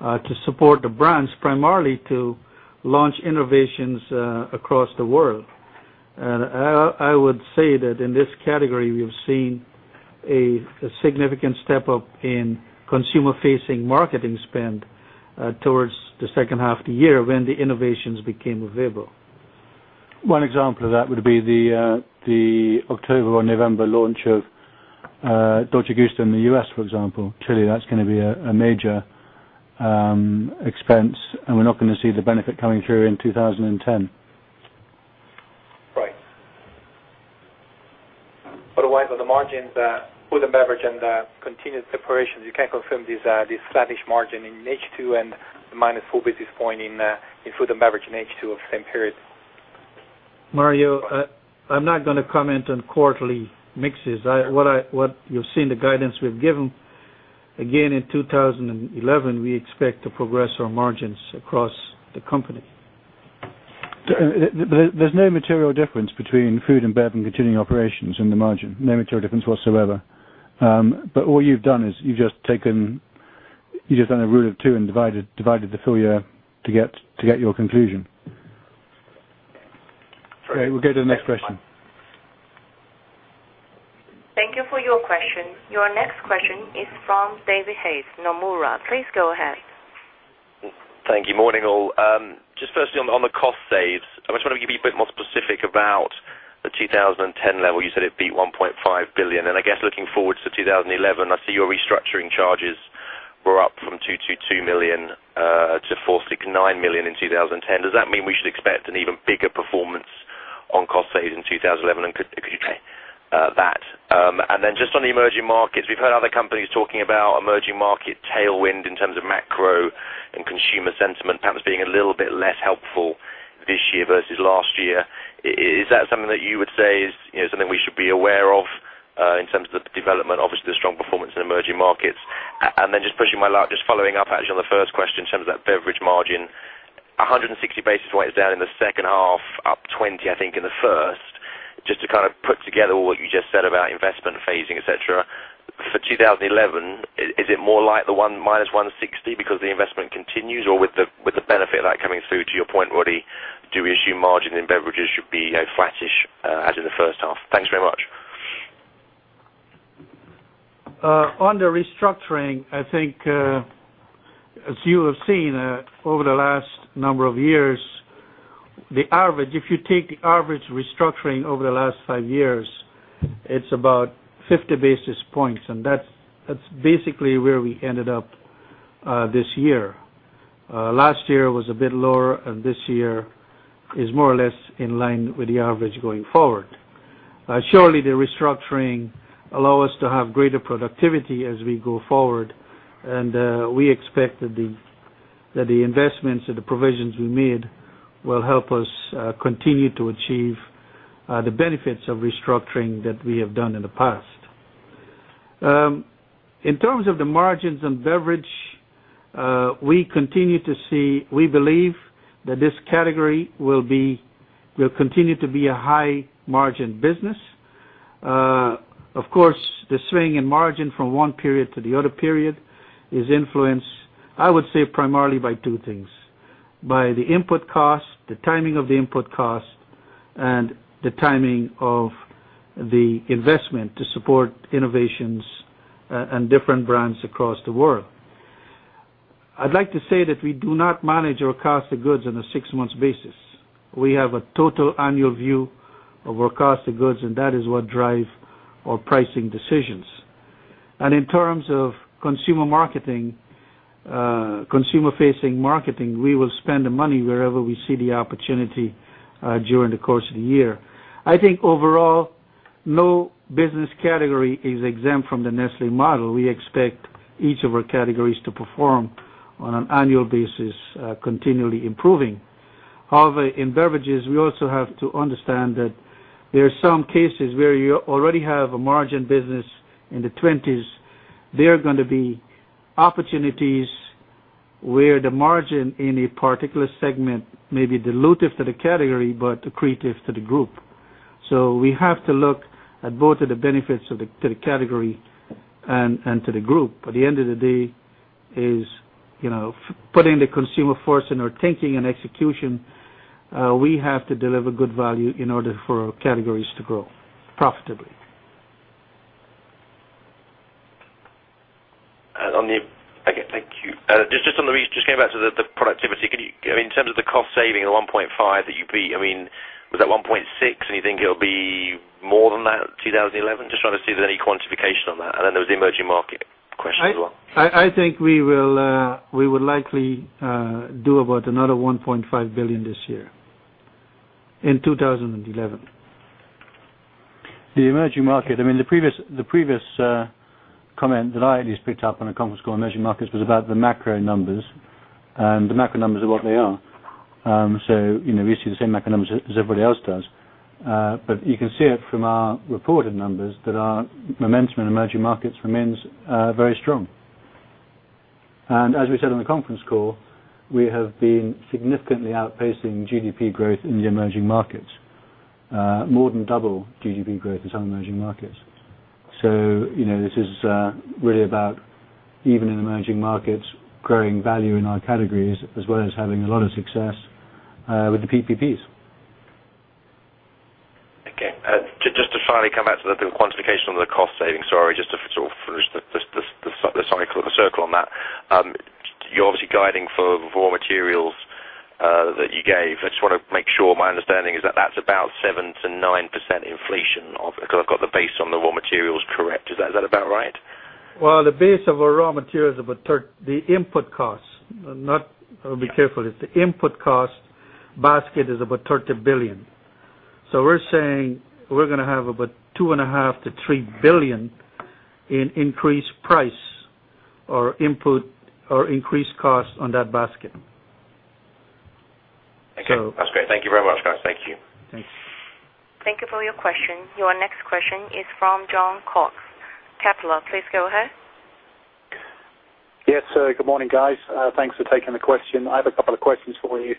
to support the brands primarily to launch innovations across the world. I would say that in this category, we've seen a significant step up in consumer facing marketing spend towards the second half of the year when the innovations became available. One example of that would be the October or November launch of Deutsche Gustaf in the U. S. For example. Clearly that's going to be a major expense and we're not going to see the benefit coming through in 2010. Right. Otherwise, the margins, food and beverage and continued separation, you can't confirm this flattish margin in H2 and minus 4 basis point in food and beverage in H2 of same period? Mario, I'm not going to comment on quarterly mixes. What you've seen the guidance we've given, again in 2011, we expect to progress our margins across the company. There's no material difference between Food and Bever and continuing operations in the margin. No material difference whatsoever. But what you've done is you've just taken you've done a rule of 2 and divided the full year to get your conclusion. Okay. We'll go to the next question. Thank you for your question. Your next question is from David Hayes, Nomura. Please go ahead. Thank you. Good morning all. Just firstly on the cost saves. I was trying to give you a bit more specific about the 10 level. You said it beat 1,500,000,000. And I guess looking forward to 2011, I see your restructuring charges were up from 222,000,000 euros to €469,000,000 in 2010. Does that mean we should expect an even bigger performance on cost saves in 2011? And could you take that? And then just on the emerging markets, we've heard other companies talking about emerging market tailwind in terms of macro and consumer sentiment perhaps being a little bit less helpful this year versus last year. Is that something that you would say is something we should be aware of in terms of the development? Obviously, the strong performance in emerging markets. And then just pushing my light, just following up actually on the first question in terms of that beverage margin, 160 basis points down in the second half, up 20, I think, in the first. Just to kind of put together what you just said about investment phasing, etcetera. For 2011, is it more like the minus €160,000,000 because the investment continues? Or with the benefit of that coming through to your point where do we issue margin in beverages should be flattish as in the first half? Thanks very much. On the restructuring, I think as you have seen over the last number of years, the average if you take the average restructuring over the last 5 years, it's about 50 basis points. And that's basically where we ended up this year. Last year was a bit lower and this year is more or less in line with the average going forward. Surely the restructuring allow us to have greater productivity as we go forward. And we expect that the investments and the provisions we made will help us continue to achieve the benefits of restructuring that we have done in the past. In terms of the margins on beverage, we continue to see we believe that this category will be will continue to be a high margin business. Of course, the swing in margin from one period to the other period is influenced, I would say, primarily by 2 things: by the input cost, the timing of the input cost and the timing of the investment to support innovations and different brands across the world. I'd like to say that we do not manage our cost of goods on a 6 months basis. We have a total annual view of our cost of goods and that is what drive our pricing decisions. And in terms of consumer marketing consumer facing marketing, we will spend the money wherever we see the opportunity during the course of the year. I think overall, no business category is exempt from the Nestle model. We expect each of our categories to perform on an annual basis continually improving. However, in beverages, we also have to understand that there are some cases where you already have a margin business in the 20s. There are going to be opportunities where the margin in a particular segment may be dilutive to the category, but accretive to the group. So we have to look at both of the benefits to the category and to the group. At the end of the day is putting the consumer force in our thinking and execution, we have to deliver good value in order for our categories to grow profitably. Okay. Thank you. Just on the just came back to the productivity. I mean in terms of the cost saving of 1.5 percent that you beat, I mean was that 1.6 percent, do you think it will be more than that in 2011? Just trying to see if there's any quantification on that. And then there was the emerging market question as well. I think we will likely do about another €1,500,000,000 this year in 2011. The emerging market, I mean the previous comment that I at least picked up on the call in emerging markets was about the macro numbers and the macro numbers are what they are. So we see the same macro numbers as everybody else does. But you can see it from our reported numbers that our momentum in emerging markets remains very strong. And as we said on the conference call, we have been significantly outpacing GDP growth in the emerging markets, more than double GDP growth in some emerging markets. So this is really about even in emerging markets growing value in our categories as well as having a lot of success with the PPPs. Okay. Just to finally come out to the quantification of the cost savings. Sorry, just to sort of finish the circle on that. You're obviously guiding for raw materials that you gave. I just want to make sure my understanding is that that's about 7% to 9% inflation of because I've got the base on the raw materials correct. Is that about right? Well, the base of our raw materials about the input costs not I'll be careful. It's the input cost basket is about $30,000,000,000 So we're saying we're going to have about $2,500,000,000 to $3,000,000,000 in increased price or input or increased cost on that basket. Okay. That's great. Thank you very much guys. Thank you. Thank you for your question. Your next question is from John Cox, Kepler. Please go ahead. Yes. Good morning, guys. Thanks for taking the question. I have a couple of questions for you.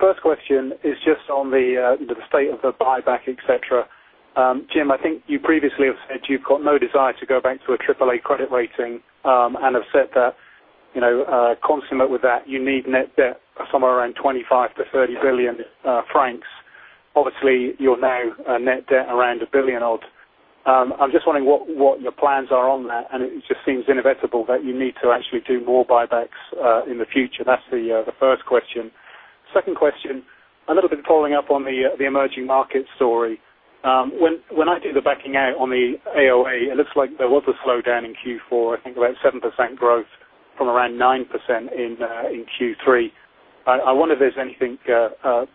First question is just on the state of the buyback, etcetera. Jim, I think you previously have said you've got no desire to go back to a AAA credit rating and have said that, consummate with that, you need net debt of somewhere around 25,000,000,000 to 30,000,000,000 francs. Obviously, you're now net debt around 1,000,000,000 odd. I'm just wondering what your plans are on that. And it just seems inevitable that you need to actually do more buybacks in the future? That's the first question. 2nd question, a little bit following up on the emerging market story. When I do the backing out on the AOA, it looks like there was a slowdown in Q4, I think about 7% growth from around 9% in Q3. I wonder if there's anything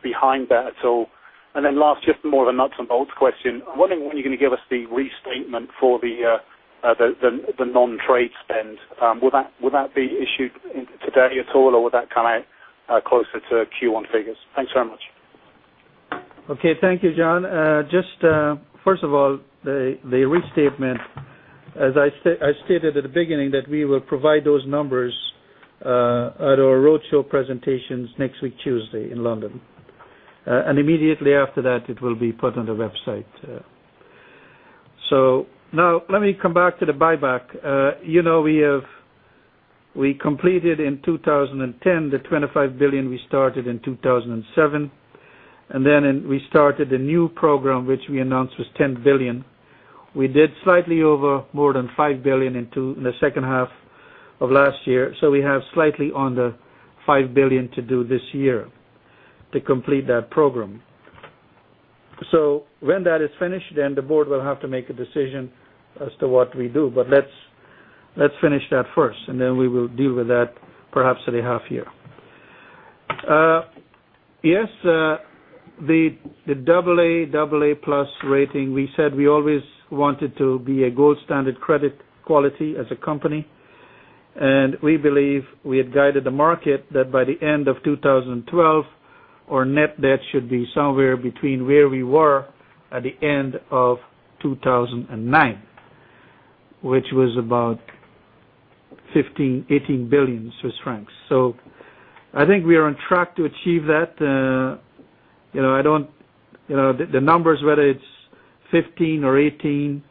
behind that at all. And then last just more of a nuts and bolts question. I'm wondering when you're going to give us the restatement for the non trade spend. Would that be issued today at all? Or would that come out closer to Q1 figures? Thanks very much. Okay. Thank you, John. Just first of all, the restatement, as I stated at the beginning that we will provide those numbers at our roadshow presentations next week Tuesday in London. And immediately after that, it will be put on the website. So now let me come back to the buyback. We have we completed in 20 10 the $25,000,000,000 we started in 2,007. And then we started a new program which we announced was $10,000,000,000 We did slightly over more than $5,000,000,000 in the second half of last year. So we have slightly on the $5,000,000,000 to do this year to complete that program. So when that is finished then the Board will have to make a decision as to what we do. But let's finish that first and then we will deal with that perhaps in the half year. Yes, the AA, AA plus rating we said we always wanted to be a gold standard credit quality as a company. And we believe we had guided the market that by the end of 2012, our net debt should be somewhere between where we were at the end of 2,009, which was about 15,000,000,000 Swiss francs 18,000,000,000 Swiss francs. So I think we are on track to achieve that. I don't the numbers whether it's 15,000,000,000 or 18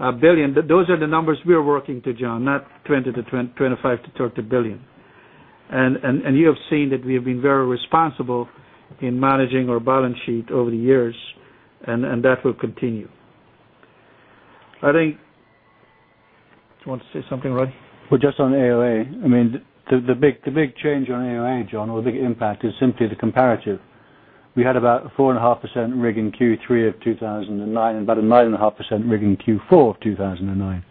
$1,000,000,000 those are the numbers we are working to John not $20,000,000,000 to $25,000,000,000 to $30,000,000,000 And you have seen that we have been very responsible in managing our balance sheet over the years and that will continue. I think you want to say something, Ravi? Well, just on AOA. I mean, the big change on AOA, John, or the big impact is simply the comparative. We had about 4.5% rig in Q3 of 2009 and about a 9.5% rig in Q4 of 2009.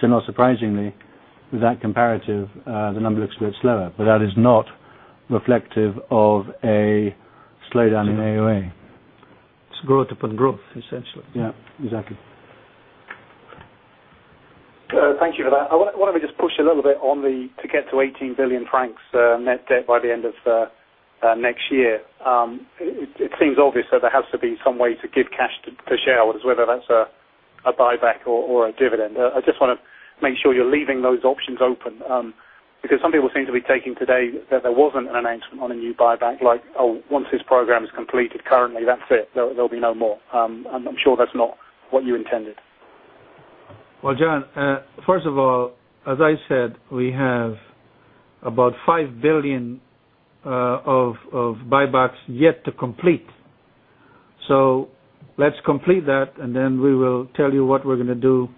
So not surprisingly with that comparative the number looks a bit slower, but that is not reflective of a slowdown in It's growth upon growth essentially. Yes, exactly. Thank you for that. Why don't we just push a little bit on the to get to 18,000,000,000 francs net debt by the end of next year. It seems obvious that there has to be some way to give cash to shareholders whether that's a buyback or a dividend. I just want to make sure you're leaving those options open, because some people seem to be taking today that there wasn't an announcement on a new buyback like once this program is completed currently that's it. There'll be no more. I'm sure that's not what you intended. Well, John, first of all, as I said, we have about €5,000,000,000 of buybacks yet to complete. So let's complete that and then we will tell you what we're going to do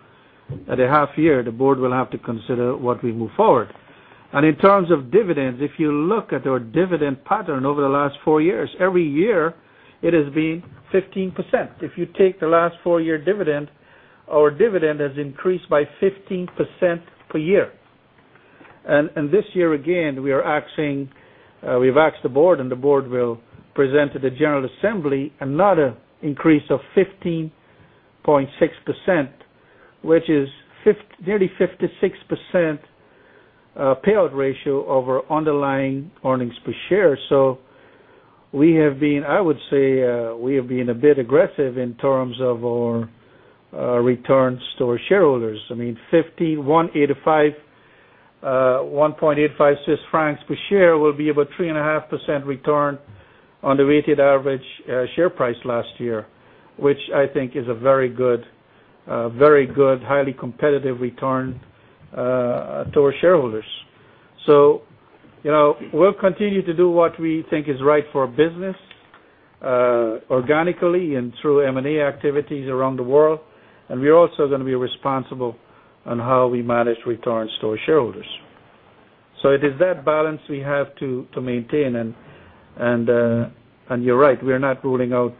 at a half year. The Board will have to consider what we move forward. And in terms of dividends, if you look at our dividend pattern over the last 4 years, every year it has been 15%. If you take the last 4 year dividend, our dividend has increased by 15% per year. And this year again, we are axing we've asked the board and the board will present to the general assembly another increase of 15.6%, which is nearly 56% payout ratio of our underlying earnings per share. So we have been I would say, we have been a bit aggressive in terms of our returns to our shareholders. I mean 15, 1.85 Swiss francs per share will be about 3.5% return on the weighted average share price last year, which I think is a very good highly competitive return to our shareholders. So we'll continue to do what we think is right for our business organically and through M and A activities around the world. And we're also going to be responsible on how we manage returns to our shareholders. So it is that balance we have to maintain. And you're right, we are not ruling out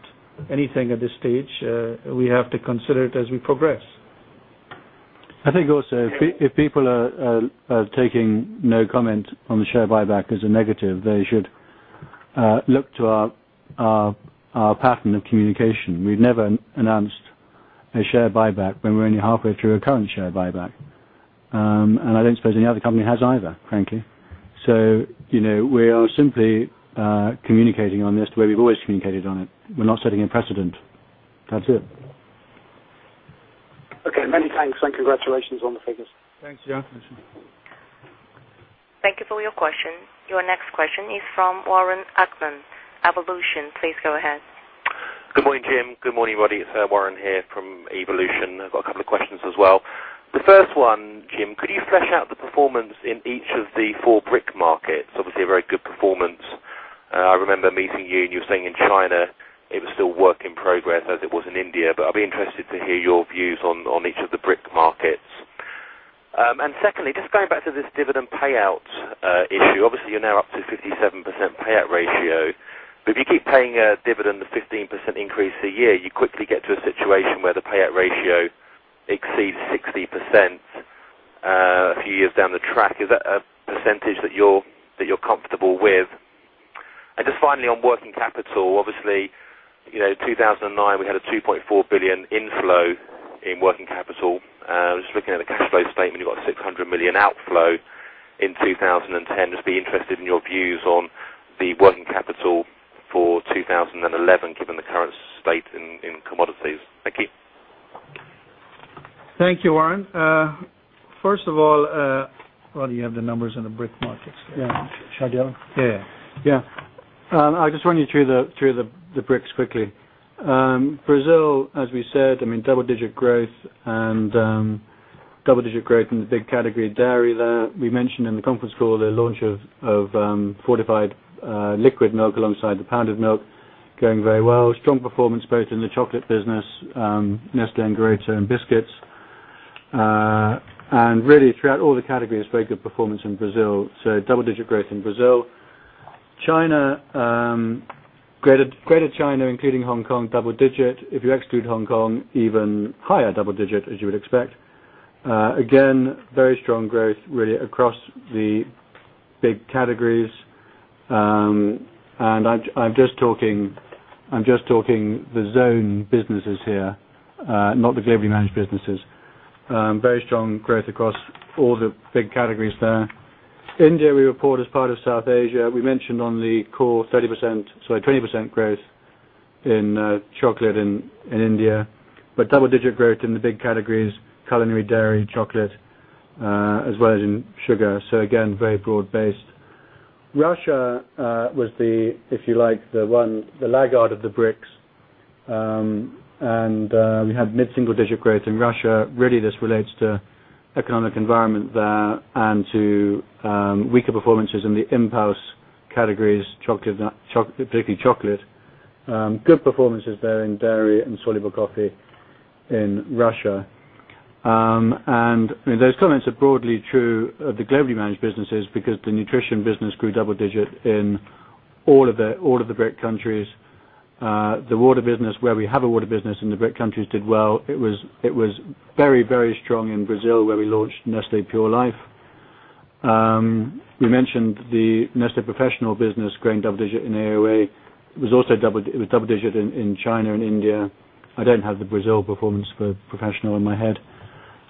anything at this stage. We have to consider it as we progress. I think also if people are taking no comment on the share buyback as a negative, they should look to our pattern of communication. We've never announced a share buyback when we're only halfway through a current share buyback. And I don't suppose any other company has either frankly. So we are simply communicating on this the way we've always communicated on it. We're not setting a precedent. That's it. Okay. Many thanks and congratulations on the figures. Thanks, Jan. Thank you for your question. Your next question is from Warren Ackman, Evolution. Please go ahead. Good morning, Jim. Good morning, everybody. It's Warren here from Evolution. I've got a couple of questions as well. The first one, Jim, could you flesh out the performance in each of the 4 brick markets? Obviously, a very good performance. I remember meeting you and you're saying in China, it was still work in progress as it was in India. But I'd be interested to hear your views on each of the brick markets. And secondly, just going back to this dividend payout issue, obviously, you're now up to 57% payout ratio. But if you keep paying a dividend of 15% increase a year, you quickly get to a situation where the payout ratio exceeds 60% a few years down the track. Is that a percentage that you're comfortable with? And just finally on working capital, obviously, 2,009, we had a €2,400,000,000 inflow in working capital. Just looking at the cash flow statement, you've got €600,000,000 outflow in 2010. Just be interested in your views on the working capital for 2011 given the current state in commodities. Thank you. Thank you, Arren. First of all probably you have the numbers in the brick markets. Yes. Yes. Yes. I'll just run you through the bricks quickly. Brazil, as we said, I mean, double digit growth and double digit growth in the big category dairy there. We mentioned in the conference call the launch of fortified liquid milk alongside the pound of milk going very well. Strong performance both in the chocolate business Nestea and Grota and biscuits. And really throughout all the categories very good performance in Brazil, so double digit growth in Brazil. China, Greater China including Hong Kong double digit. If you exclude Hong Kong even higher double digit as you would expect. Again, very strong growth really across the big categories. And I'm just talking the zone businesses here, not the globally managed businesses. Very strong growth across all the big categories there. India we report as part of South Asia. We mentioned on the core 30% sorry, 20% growth in chocolate in India, but double digit growth in the big categories culinary, dairy, chocolate as well as in sugar. So again, very broad based. Russia was the if you like the one the laggard of the bricks and we had mid single digit growth in Russia. Really this relates to economic environment there and to weaker performances in the impulse categories chocolate particularly chocolate. Good performances there in dairy and soluble coffee in Russia. And those comments are broadly true of the globally managed businesses because the nutrition business grew double digit in all of the brick countries. The water business where we have a water business in the BRIC countries did well. It was very, very strong in Brazil where we launched Neste Pure Life. We mentioned the Neste Professional business growing double digit in AOA. It was also double digit in China and India. I don't have the Brazil performance for Professional in my head.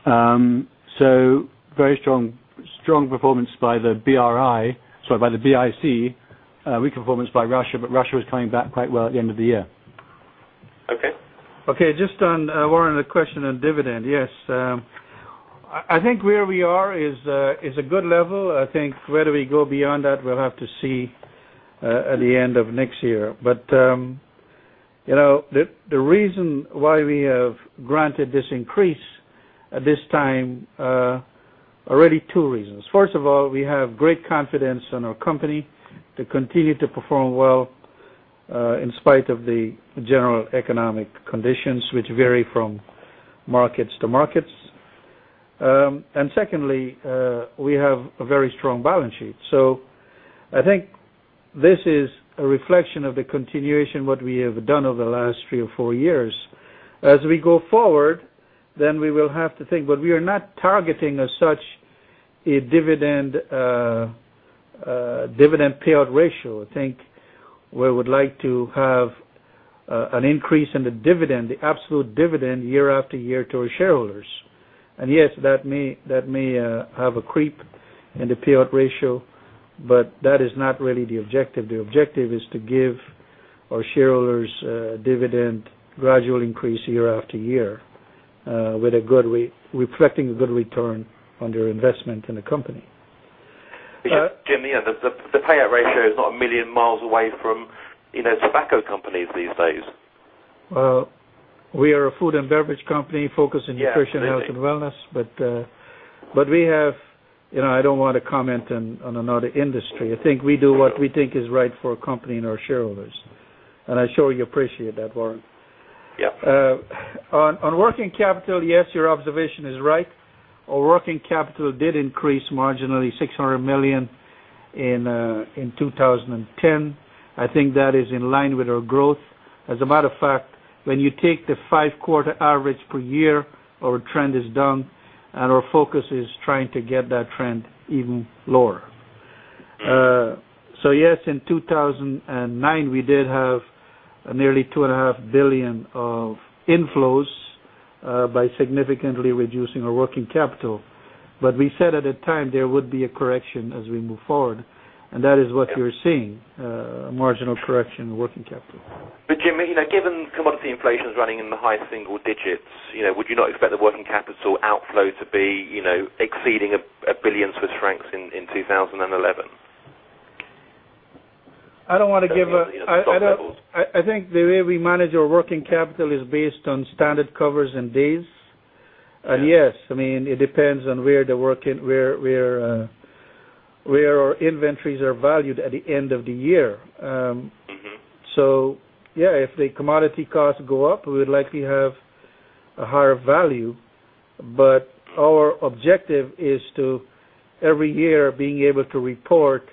So very strong performance by the BRI sorry by the BIC weak performance by Russia, but Russia was coming back quite well at the end of the year. Okay. Okay. Just on Warren the question on dividend, yes. I think where we are is a good level. I think where do we go beyond that we'll have to see at the end of next year. But the reason why we have granted this increase at this time already two reasons. First of all, we have great confidence in our company to continue to perform well in spite of the general economic conditions which vary from markets to markets. And secondly, we have a very strong balance sheet. So I think this is a reflection of the continuation what we have done over the last 3 or 4 years. As we go forward, then we will have to think, but we are not targeting as such a dividend payout ratio. I think we would like to have an increase in the dividend, the absolute dividend year after year to our shareholders. And yes, that may have a creep in the payout ratio, but that is not really the objective. The objective is to give our shareholders dividend gradual increase year after year with a good reflecting a good return on their investment in the company. Jim, the payout ratio is not 1,000,000 miles away from tobacco companies these days? Well, we are a food and beverage company focused in nutrition, health and wellness. But we have I don't want to comment on another industry. I think we do what we think is right for our company and our shareholders. And I'm sure you appreciate that Warren. Yes. On working capital, yes, your observation is right. Our working capital did increase marginally 600,000,000 dollars in 2010. I think that is in line with our growth. As a matter of fact, when you take the 5 quarter average per year, our trend is down and our focus is trying to get that trend even lower. So yes, in 2,009, we did have nearly $2,500,000,000 of inflows by significantly reducing our working capital. But we said at the time there would be a correction as we move forward. And that is what you're seeing, a marginal correction in working capital. But Jimmy, given commodity inflation is running in the high single digits, would you not expect the working capital outflow to be exceeding 1,000,000,000 Swiss francs in 20 11? I don't want to give a I think the way we manage our working capital is based on standard covers and days. And yes, I mean, it depends on where the working where our inventories are valued at the end of the year. So, yes, if the commodity costs go up, we would likely have a higher value. But our objective is to every year being able to report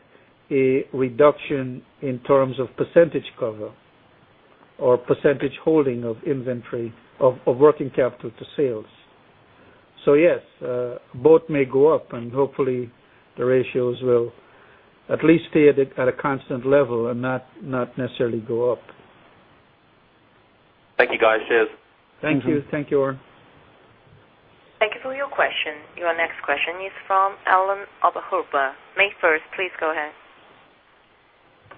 a reduction in terms of percentage cover or percentage holding of inventory of working capital to sales. So yes, both may go up and hopefully the ratios will at least stay at a constant level and not necessarily go up. Thank you, guys. Cheers. Thank you. Thank you, Oren. Thank you for your question. Your next question is from Alan Oberholt, May 1st. Please go ahead.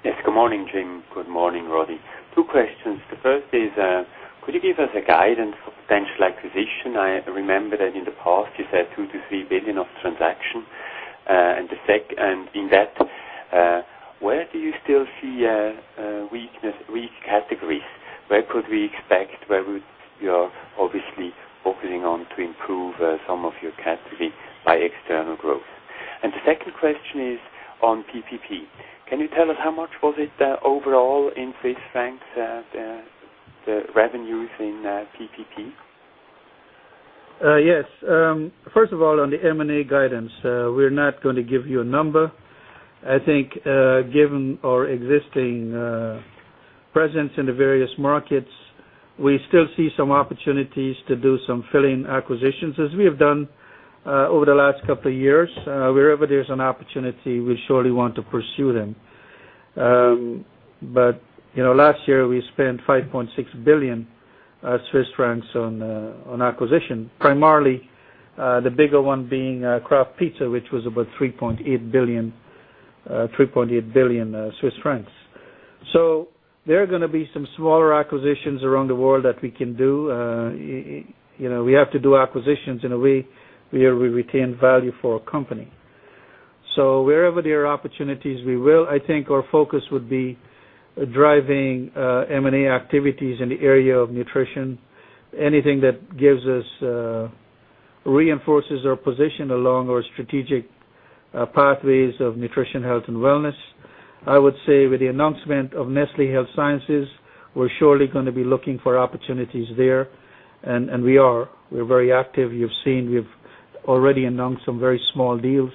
Yes. Good morning, Jim. Good morning, Roddie. Two questions. The first is, could you give us a guidance for potential acquisition? I remember that in the past you said 2,000,000,000 to 3,000,000,000 of transaction and the second in that. Where do you still see weakness, weak categories? Where could we expect where you're obviously opening on to improve some of your category by external growth? And the second question is on PPP. Can you tell us how much was it overall in CHF 6, the revenues in PPP? Yes. First of all, on the M and A guidance, we're not going to give you a number. I think given our existing presence in the various markets, we still see some opportunities to do some filling acquisitions as we have done over the last couple of years. Wherever there's an opportunity, we surely want to pursue them. But last year we spent 5,600,000,000 Swiss francs on acquisition primarily the bigger one being Kraft Pizza, which was about 3.8 billion. So there are going to be some smaller acquisitions around the world that we can do. We have to do acquisitions in a way where we retain value for our company. So wherever there are opportunities we will. I think our focus would be driving M and A activities in the area of nutrition. Anything that gives us reinforces our position along our strategic pathways of nutrition health and wellness. I would say with the announcement of Nestle Health Sciences, we're surely going to be looking for opportunities there and we are. We're very active. You've seen we've already announced some very small deals.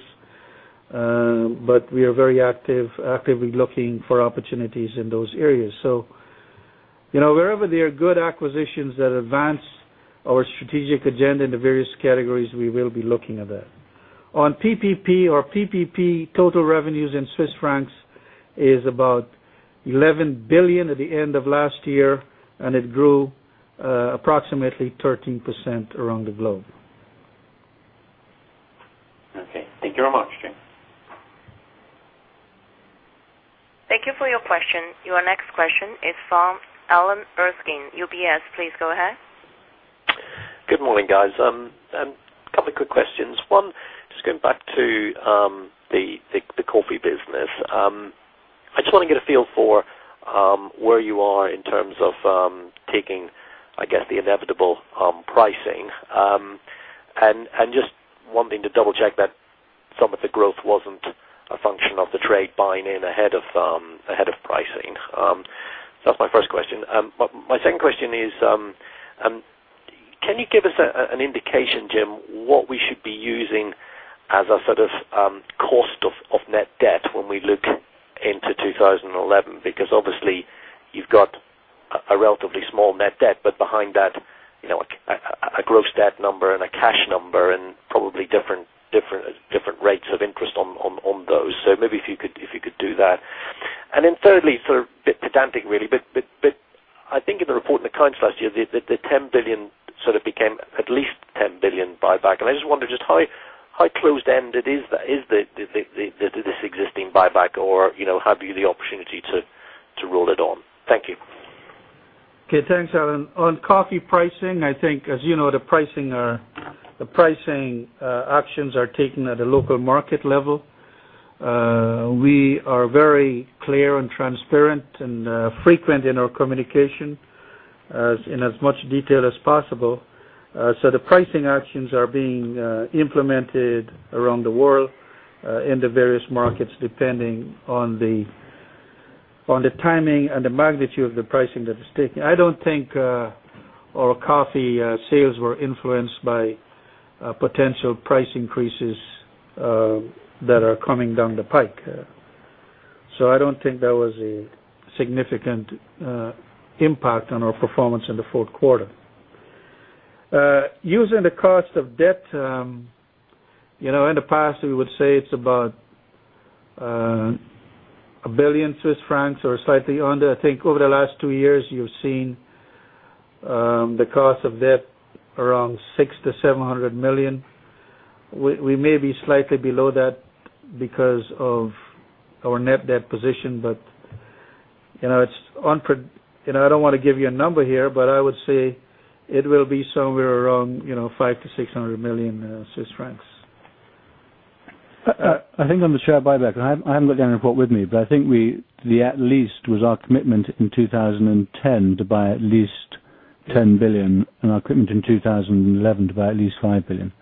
But we are very actively looking for opportunities in those areas. So wherever there are good acquisitions that advance our strategic agenda in the various categories, we will be looking at that. On PPP, our PPP total revenues in Swiss francs is about 11,000,000,000 at the end of last year and it grew approximately 13% around the globe. Okay. Thank you very much, James. Thank you for your question. Your next question is from Alan Erskine, UBS. Please go ahead. Good morning, guys. A couple of quick questions. 1, just going back to the coffee business. I just want to get a feel for where you are in terms of taking, I guess, the inevitable pricing? And just wanting to double check that some of the growth wasn't a function of the trade buying in ahead of pricing. That's my first question. But my second question is, can you give us an indication, Jim, what we should be using as a sort of cost of net debt when we look into 2011? Because obviously you've got a relatively small net debt, but behind that a gross debt number and a cash number and probably different rates of interest on those. So maybe if you could do that. And then thirdly, sort of a bit pedantic really, but I think in the report in the kind of last year, the 10,000,000,000 sort of became at least 10,000,000,000 buyback. And I just wonder just how closed ended is this existing buyback? Or how do you have the opportunity to roll it on? Thank you. Okay. Thanks, Alan. On coffee pricing, I think as you know the pricing actions are taken at a local market level. We are very clear and transparent and frequent in our communication in as much detail as possible. So the pricing actions are being implemented So the pricing actions are being implemented around the world in the various markets depending on the timing and the magnitude of the pricing that is taking. I don't think our coffee sales were influenced by potential price increases that are coming down the pike. So I don't think there was a significant impact on our performance in the 4th quarter. Using the cost of debt, in the past, we would say it's about 1,000,000,000 Swiss francs or slightly under. I think over the last 2 years, you've seen the cost of debt around 600,000,000 to 700,000,000 dollars We may be slightly below that because of our net debt position. But it's I don't want to give you a number here, but I would say it will be somewhere around 500,000,000 to 600,000,000 Swiss francs. I think on the share buyback, I'm looking at what with me. But I think we the at least was our commitment in 2010 to buy at least €10,000,000,000 and our commitment in 2011 to buy at least €5,000,000,000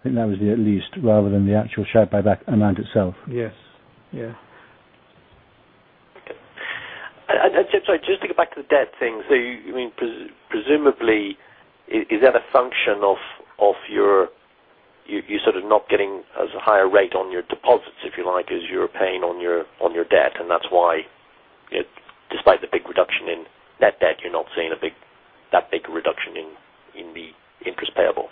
I think that was the at least rather than the actual share buyback amount itself. Yes. Okay. And so just to get back to the debt thing. So I mean presumably is that a function of your you sort of not getting as a higher rate on your deposits if you like as you're paying on your debt and that's why despite the big reduction in net debt, you're not seeing a big that big reduction in the interest payable?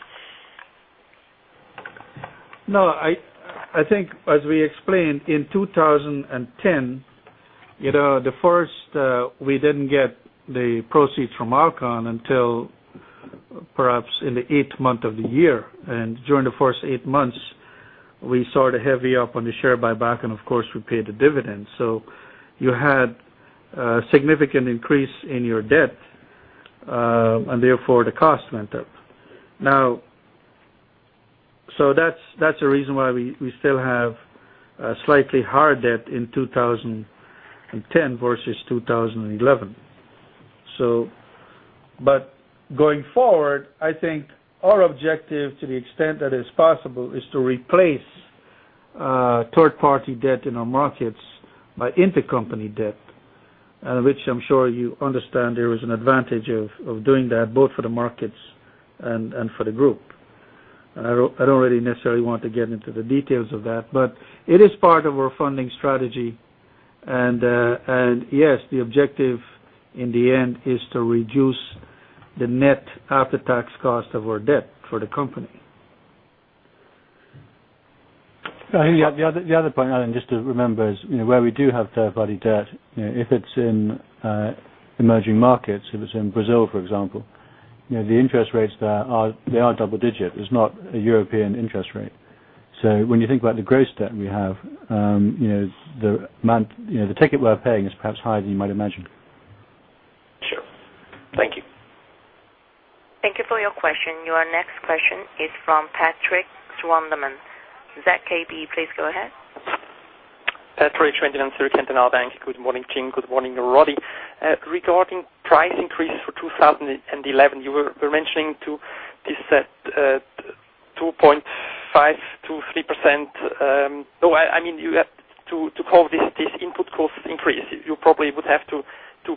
No. I think as we explained in 2010, the first we didn't get the proceeds from Alcon until perhaps in the 8th month of the year. And during the 1st 8 months, we saw the heavy up on the share buyback and of course we paid the dividend. So you had a significant increase in your debt and therefore the cost went up. Now so that's the reason why we still have slightly higher debt in 2010 versus 2011. So but going forward, I think our objective to the extent that it's possible is to replace 3rd party debt in our markets by intercompany debt, which I'm sure you understand there is an advantage of doing that both for the markets and for the group. I don't really necessarily want to get into the details of that, but it is part of our funding strategy. And yes, the objective in the end is to reduce the net after tax cost of our debt for the company. The other point Alan just to remember is where we do have third party debt, if it's in emerging markets, if it's in Brazil for example, the interest rates there are they are double digit. There's not a European interest rate. So when you think about the gross debt we have, the amount the ticket we're paying is perhaps higher than you might imagine. Sure. Thank you. Thank you for your question. Your next question is from Patrick Swanderman, ZKB. Please go ahead. Patrick Swendell, Zurkantenal Bank. Good morning, King. Good morning, Roddie. Regarding price increase for 2011, you were mentioning to this 2.5% to 3%. No, I mean, you have to call this input costs increase, you probably would have to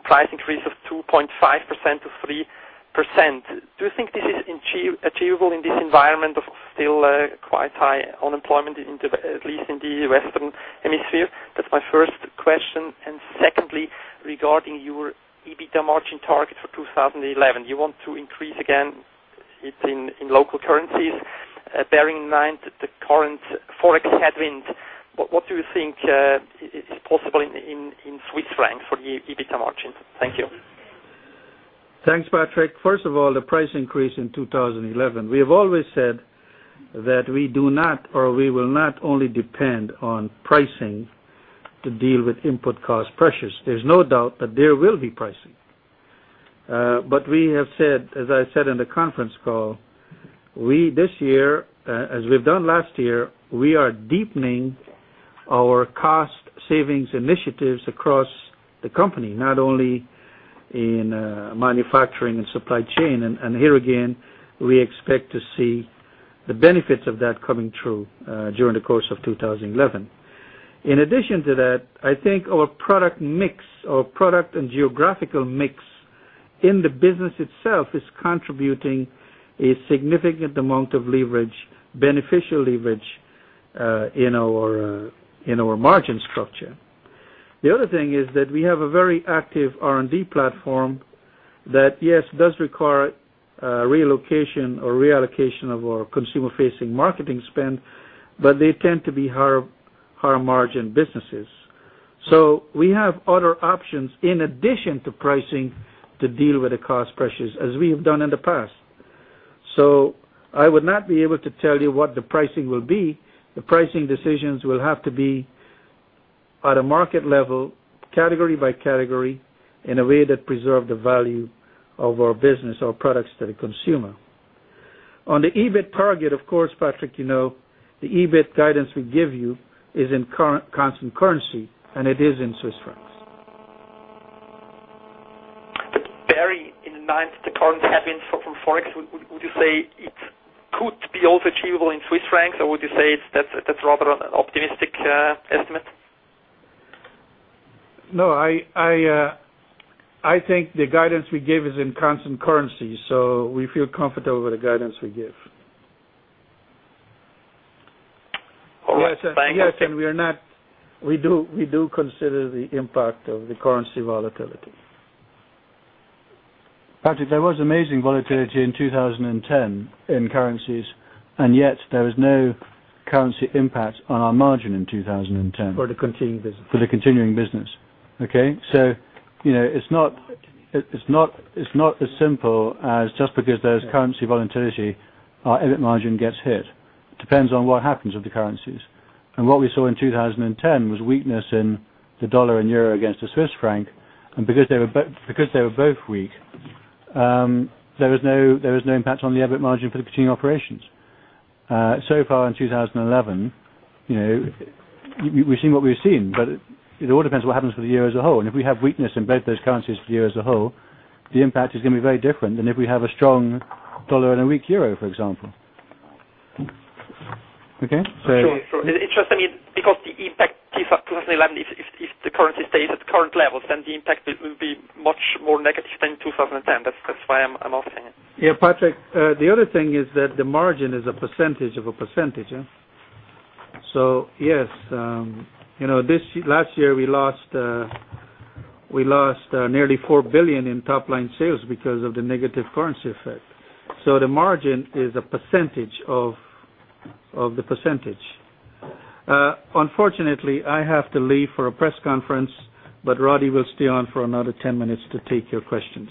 price increase of 2.5% to 3%. Do you think this is achievable in this environment of still quite high unemployment at least in the Western Hemisphere? That's my first question. And secondly, regarding your EBITDA margin target for 2011, you want to increase again it in local currencies, bearing in mind the current ForEx headwind, what do you think is possible in Swiss francs for the EBITDA margin? Thank you. Thanks, Patrick. First of all, the price increase in 2011. We have always said that we do not or we will not only depend on pricing to deal with input cost pressures. There's no doubt that there will be pricing. But we have said as I said in the conference call, we this year as we've done last year, we are deepening our cost savings initiatives across the company not only in manufacturing and supply chain. And here again, we expect to see the benefits of that coming through during the course of 2011. In addition to that, I think our product mix or product and geographical mix in the business itself is contributing a significant amount of leverage beneficial leverage in our margin structure. The other thing is that we have a very active R and D platform that yes, does require relocation or reallocation of our consumer facing marketing spend, but they tend to be higher margin businesses. So we have other options in addition to pricing to deal with the cost pressures as we have done in the past. So I would not be able to tell you what the pricing will be. The pricing decisions will have to be at a market level category by category in a way that preserve the value of our business or products to the consumer. On the EBIT target, of course, Patrick, the EBIT guidance we give you is in constant currency and it is in Swiss francs. Barry, in the minds of the current headwinds from ForEx, would you say it could be also achievable in Swiss francs? Or would you say that's rather an optimistic estimate? No. I think the guidance we give is in constant currency. So we feel comfortable with the guidance we give. All right. Thanks. Yes. And we are not we do consider the impact of the currency volatility. Patrick, there was amazing volatility in 2010 in currencies and yet there was no currency impact on our margin in 2010. For the continuing business. For the continuing business, okay? So it's not as simple as just because there's currency volatility our EBIT margin gets hit. It depends on what happens with the currencies. And what we saw in 2010 was weakness in the dollar and euro against the Swiss francs And because they were both weak, there was no impact on the EBIT margin for the continuing operations. So far in 2011, we've seen what we've seen, but it all depends what happens for the year as a whole. And if we have weakness in both those currencies for the year as a whole, the impact is going to be very different than if we have a strong dollar and a weak euro for example. Okay? Sure. It's just I mean because the impact 2011, if the currency stays at current levels then the impact will be much more negative than 2010. That's why I'm asking Yes. Patrick, the other thing is that the margin is a percentage of a percentage. So yes, this last year we lost nearly $4,000,000,000 in top line sales because of the negative currency effect. So the margin is a percentage of the percentage. Unfortunately, I have to leave for a press conference, but Roddie will stay on for another 10 minutes to take your questions.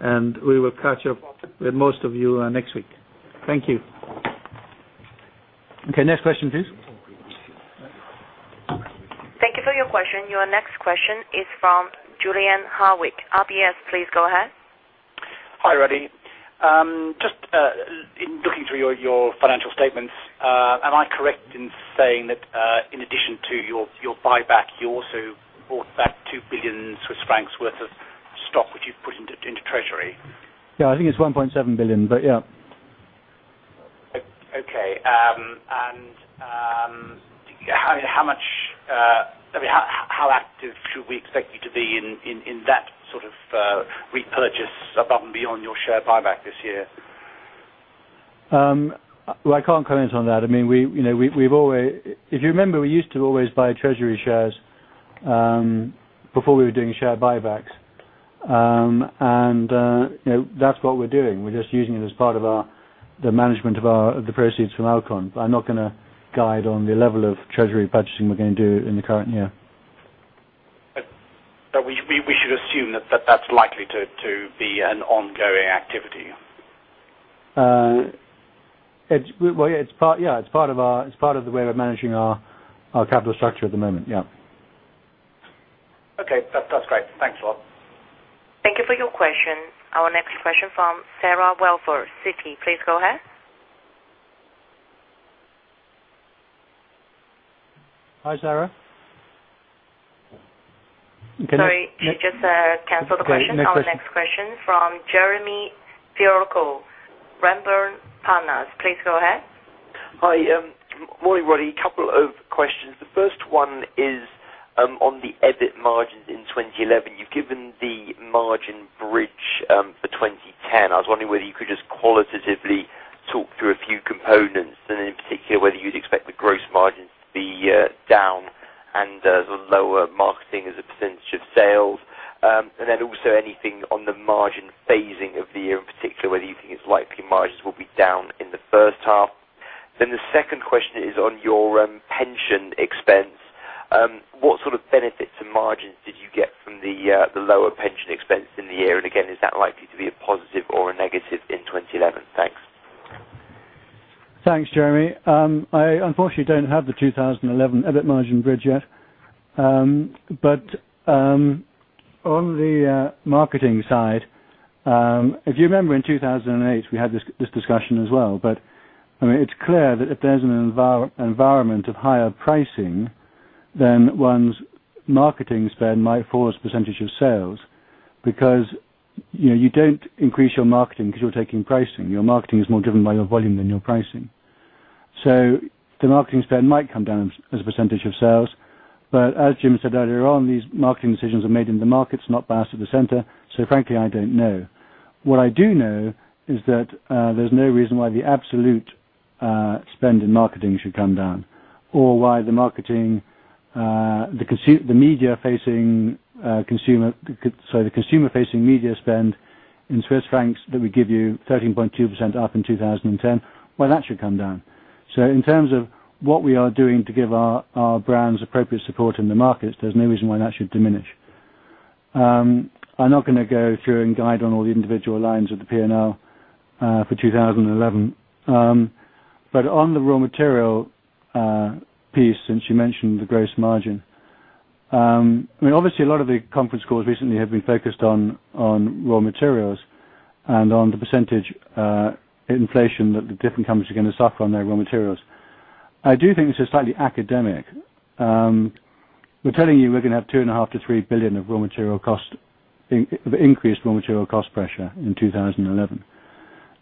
And we will catch up with most of you next week. Thank you. Okay. Next question please. Thank you for your question. Your next question is from Julian Harwick, RBS. Please go ahead. Hi, Ravi. Just looking through your financial statements, am I correct in saying that in addition to your buyback, you also bought back CHF2 1,000,000,000 worth of stock, which you've put into treasury? Yes. I think it's 1.7 billion, but yes. Okay. And how much I mean how active should we expect you to be in that sort of repurchase above and beyond your share buyback this year? Well, I can't comment on that. I mean, we've always if you remember, we used to always buy treasury shares before we were doing share buybacks. And that's what we're doing. We're just using it as part of our the management of our the proceeds from Alcon. I'm not going to guide on the level of treasury budgeting we're going to do in the current year. We should assume that that's likely to be an ongoing activity? Well, yes, it's part of the way of managing our capital structure at the moment, yes. Okay. That's great. Thanks a lot. Thank you for your question. Our next question is from Sarah Welford, Citi. Please go ahead. Hi, Sarah. Sorry, you just canceled the question. A couple of questions. The first one is on the EBIT margins in 2011. You've given the margin bridge for 2010. I was wondering whether you could just qualitatively talk through a few components and in particular whether you'd expect the gross margins to be down and lower marketing as a percentage of sales? And then also anything on the margin phasing of the year in particular, whether you think it's likely margins will be down in the first half? Then the second question is on your pension expense. What sort of benefits and margins did you get from the lower pension expense in the year? And again, is that likely to be a positive or a negative in 2011? Thanks. Thanks, Jeremy. I unfortunately don't have the 2011 EBIT margin bridge yet. But on the marketing side, if you remember in 2,008, we had this discussion as well. But I mean it's clear that if there's an environment of higher pricing then one's marketing spend might fall as a percentage of sales because you don't increase your marketing because you're taking pricing. Your marketing is more driven by your volume than your pricing. So the marketing spend might come down as a percentage of sales. But as Jim said earlier on, these marketing decisions are made in the markets, not bounced at the center. So frankly, I don't know. What I do know is that there's no reason why the absolute spend in marketing should come down or why the marketing the media facing consumer sorry, the consumer facing media spend in Swiss francs that we give you 13.2% up in 2010, why that should come down. So in terms of what we are doing to give our brands appropriate support in the markets, there's no reason why that should diminish. I'm not going to go through and guide on all the individual lines of the P and L for 2011. But on the raw material piece since you mentioned the gross margin, I mean, obviously a lot of the conference calls recently have been focused on raw materials and on the percentage inflation that the different companies are going to suffer on their raw materials. I do think this is slightly academic. We're telling you we're going to have €2,500,000,000 to €3,000,000,000 of raw material cost increased raw material cost pressure in 2011.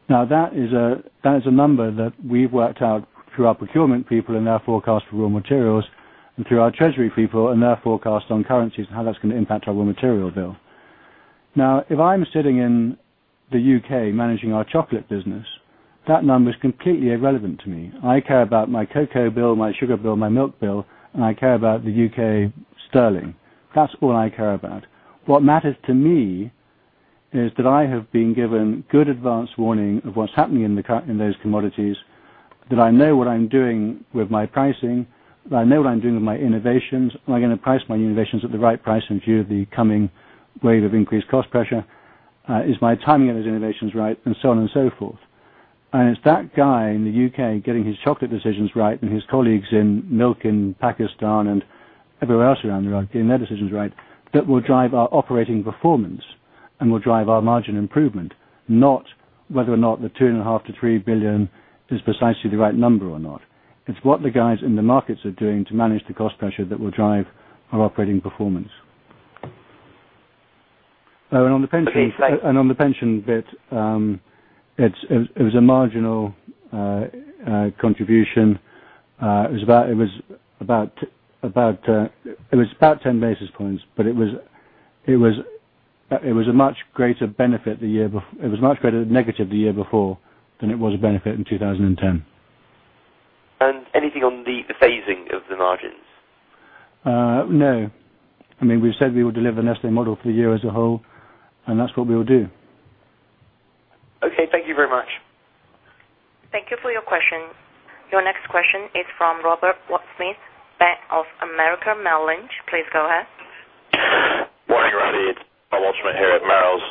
Now that is a number that we've worked out through our procurement people and their forecast for raw materials and through our treasury people and their forecast on currencies and how that's going to impact our raw material bill. Now if I'm sitting in the U. K. Managing our chocolate business that number is completely irrelevant to me. I care about my cocoa bill, my sugar bill, my milk bill and I care about the U. K. Sterling. That's all I care about. What matters to me is that I have been given good advance warning of what's happening in those commodities that I know what I'm doing with my pricing, that I know what I'm doing with my innovations, am I going to price my innovations at the right price in view of the coming wave of increased cost pressure, Is my timing of those innovations right? And so on and so forth. And it's that guy in the U. K. Getting his chocolate decisions right and his colleagues in milk in Pakistan and everywhere else around the world getting their decisions right that will drive our operating performance and will drive our margin improvement not whether or not the €2,500,000,000 to €3,000,000,000 is precisely the right number or not. It's what the guys in the markets are doing to manage the cost pressure that will drive our operating performance. And on the pension Please play. And on the pension bit, it was a marginal contribution. It was about 10 basis points, but it was a much greater benefit the year it was much greater negative the year before than it was a benefit in 2010. And anything on the phasing of the margins? No. I mean, we've said we will deliver Neste model for the year as a whole and that's what we will do. Okay. Thank you very much. Thank you for your question. Your next question is from Robert Wortzmann, Bank of America Merrill Lynch. Please go ahead. Good morning, Ravi. It's Bob Weltzmann here at Merrill's.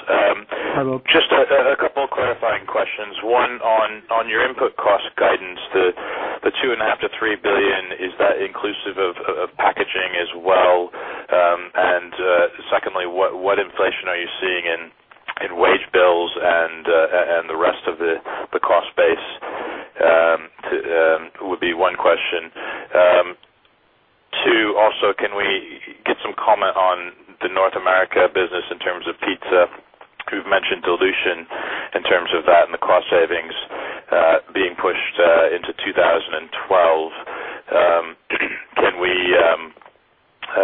Hi, Robert. Just a couple of clarifying questions. One on your input cost guidance, the $2,500,000,000 to $3,000,000,000 is that inclusive of packaging as well? And secondly, what inflation are you seeing in wage bills and the rest of the cost base would be one question. 2, also can we get some comment on the North America business in terms of pizza? You've mentioned dilution in terms of that and the cost savings being pushed into 2012.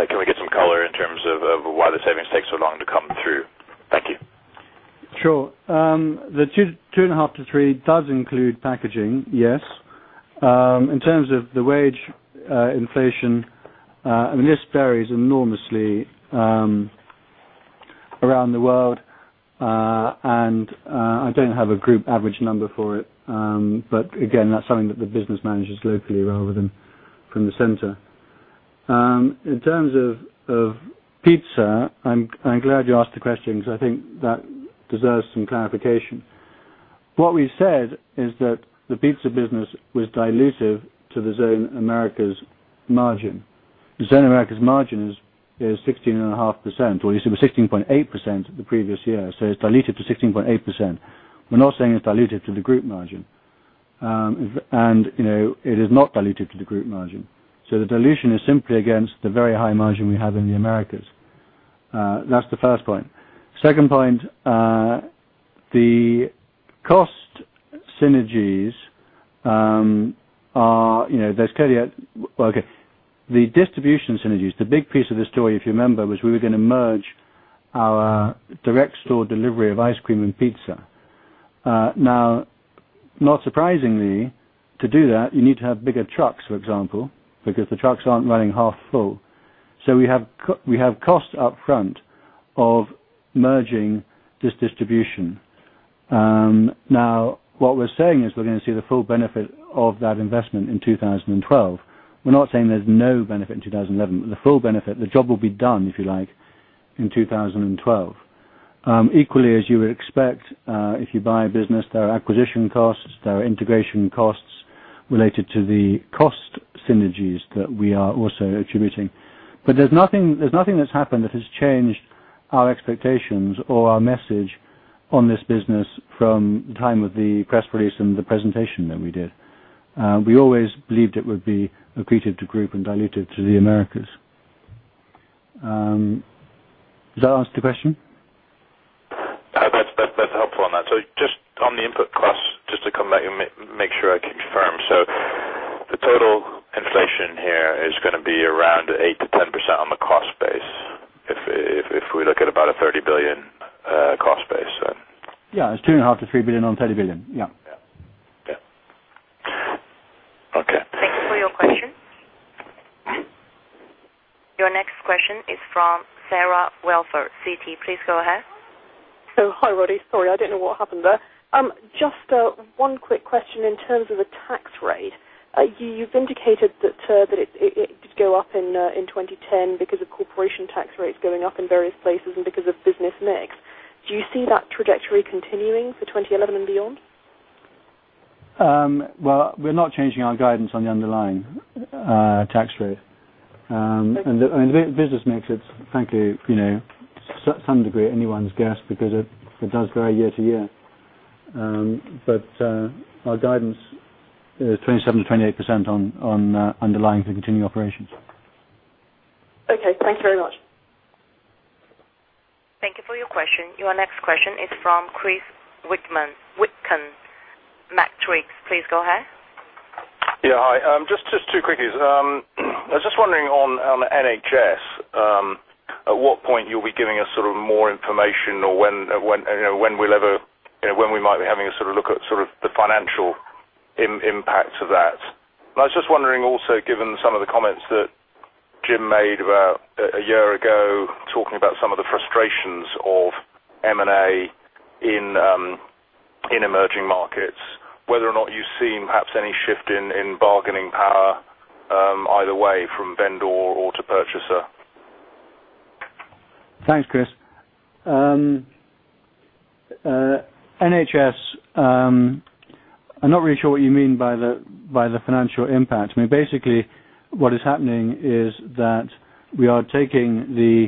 Can we get some color in terms of why the savings take so long to come through? Thank you. Sure. The 2.5 percent to 3 percent does include packaging, yes. In terms of the wage inflation, I mean, this varies enormously around the world. And I don't have a group average number for it. But again that's something that the business manages locally rather than from the center. In terms of pizza, I'm glad you asked the question, because I think that deserves some clarification. What we said is that the pizza business was dilutive to the Zone Americas margin. The Zone Americas margin is 16.5% or you said it was 16.8% in the previous year. So it's dilutive to 16.8%. We're not saying it's dilutive to the group margin. And it is not dilutive to the group margin. So the dilution is simply against the very high margin we have in the Americas. That's the first point. 2nd point, the cost synergies are there's okay. The distribution synergies, the big piece of the story if you remember was we were going to merge our direct store delivery of ice cream and pizza. Now not surprisingly to do that you need to have bigger trucks for example because the trucks aren't running half full. So we have costs upfront of merging this distribution. Now what we're saying is we're going to see the full benefit of that investment in 2012. We're not saying there's no benefit in 2011, but the full benefit the job will be done if you like in 2012. Equally as you would expect, if you buy a business there are acquisition costs, there are integration costs related to the cost synergies that we are also attributing. But there's nothing that's happened that has changed our expectations or our message on this business from the time of the press release and presentation that we did. We always believed it would be accretive to group and dilutive to the Americas. Does that answer your question? That's helpful on that. So just on the input costs just to come back and make sure I confirm. So the total inflation here is going to be around 8% to 10% on the cost base, if we look at about a $30,000,000,000 cost base. Yes. It's $2,500,000,000 to $3,000,000,000 on $30,000,000,000 yes. Yes. Okay. Thank you for your question. Your next question is from Sarah Welford, Citi. Please go ahead. Hi, Roddie. Sorry, I don't know what happened there. Just one quick question in terms of the tax rate. You've indicated that it did go up in 2010 because of corporation tax rates going up in various places and because of business mix. Do you see that trajectory continuing for 2011 beyond? Well, we're not changing our guidance on the underlying tax rate. And the business mix, it's frankly to some degree anyone's guess because it does grow year to year. But our guidance 27% to 28% on underlying the continuing operations. Okay. Thanks very much. Thank you for your question. Your next question is from Chris Wickham, Matrix. Please go ahead. Yes. Hi. Just two quickies. I was just wondering on NHS, at what point you'll be giving us sort of more information or when we'll ever when we might be having a sort of look at sort of the financial impact of that? I was just wondering also given some of the comments that Jim made about a year ago talking about some of the frustrations of M and A in emerging markets, whether or not you've seen perhaps any shift in bargaining power either way from vendor or to purchaser? Thanks, Chris. NHS, I'm not really sure what you mean by the financial impact. I mean, basically what is happening is that we are taking the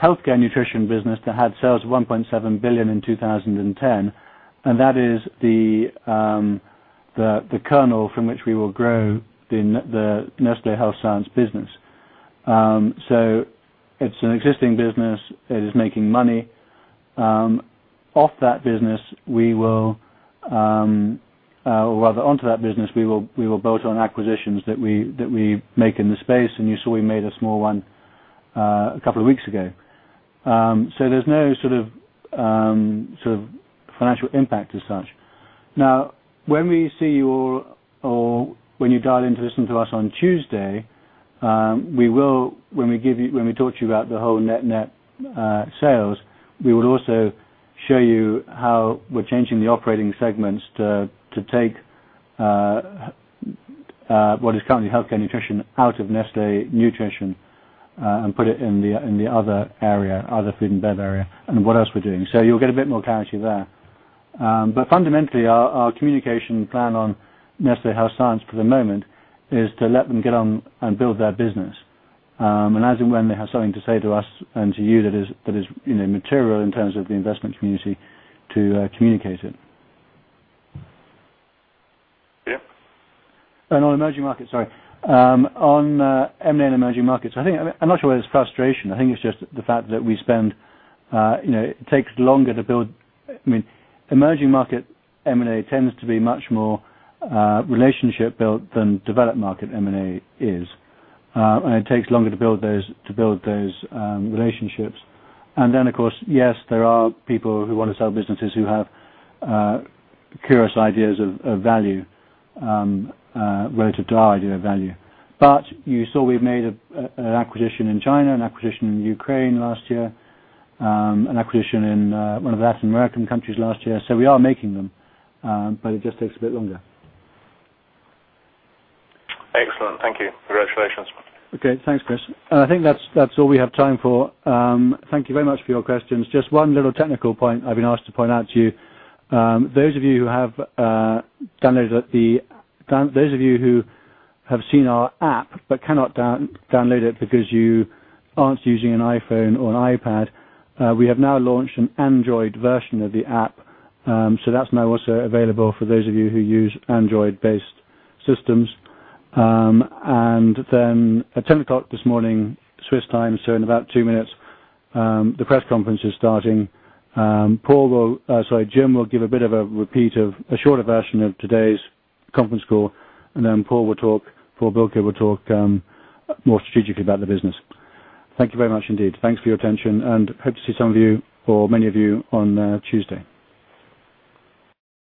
Healthcare Nutrition business to have sales of €1,700,000,000 in 2010 and that is the kernel from which we will grow the Nestle Health Science business. So it's an existing business. It is making money. Of that business, we will rather onto that business we will bolt on acquisitions that we make in the space. And you saw we made a small one a couple of weeks ago. So there's no sort of financial impact as such. Now when we see your or when you dial in to listen to us on Tuesday, we will when we give you when we talk to you about the whole net net sales, we would also show you how we're changing the operating segments to take what is currently Healthcare Nutrition out of Neste Nutrition and put it in the other area other food and beverage area and what else we're doing. So you'll get a bit more clarity there. But fundamentally, our communication plan on Nestle Health Science for the moment is to let them get on and build their business. And as and when they have something to say to us and to you that is material in terms of the investment community to communicate it? Yes. And on emerging markets sorry. On M and A and emerging markets, I think I'm not sure whether it's frustration. I think it's just the fact that we spend it takes longer to build I mean, emerging market M and A tends to be much more relationship built than developed market M and A is. And it takes longer to build those relationships. And then of course, yes, there are people who want to sell businesses who have curious ideas of value relative to our idea of value. But you saw we've made an acquisition in China, an acquisition in Ukraine last year, an acquisition in one of Latin American countries last year. So we are making them, but it just takes a bit longer. Excellent. Thank you. Congratulations. Okay. Thanks, Chris. I think that's all we have time for. Thank you very much for your questions. Just one little technical point I've been asked to point out to you. Those of you who have downloaded the those of you who have seen our app, but cannot download it because you aren't using an iPhone or an iPad, We have now launched an Android version of the app. So that's now also available for those of you who use Android based systems. And then at 10 this morning, Swiss time, so in about 2 minutes, the press conference is starting. Paul will sorry, Jim will give a bit of a repeat of a shorter version of today's conference call. And then Paul will talk or Bilke will talk more strategically about the business. Thank you very much indeed. Thanks for your attention and hope to see some of you or many of you on Tuesday.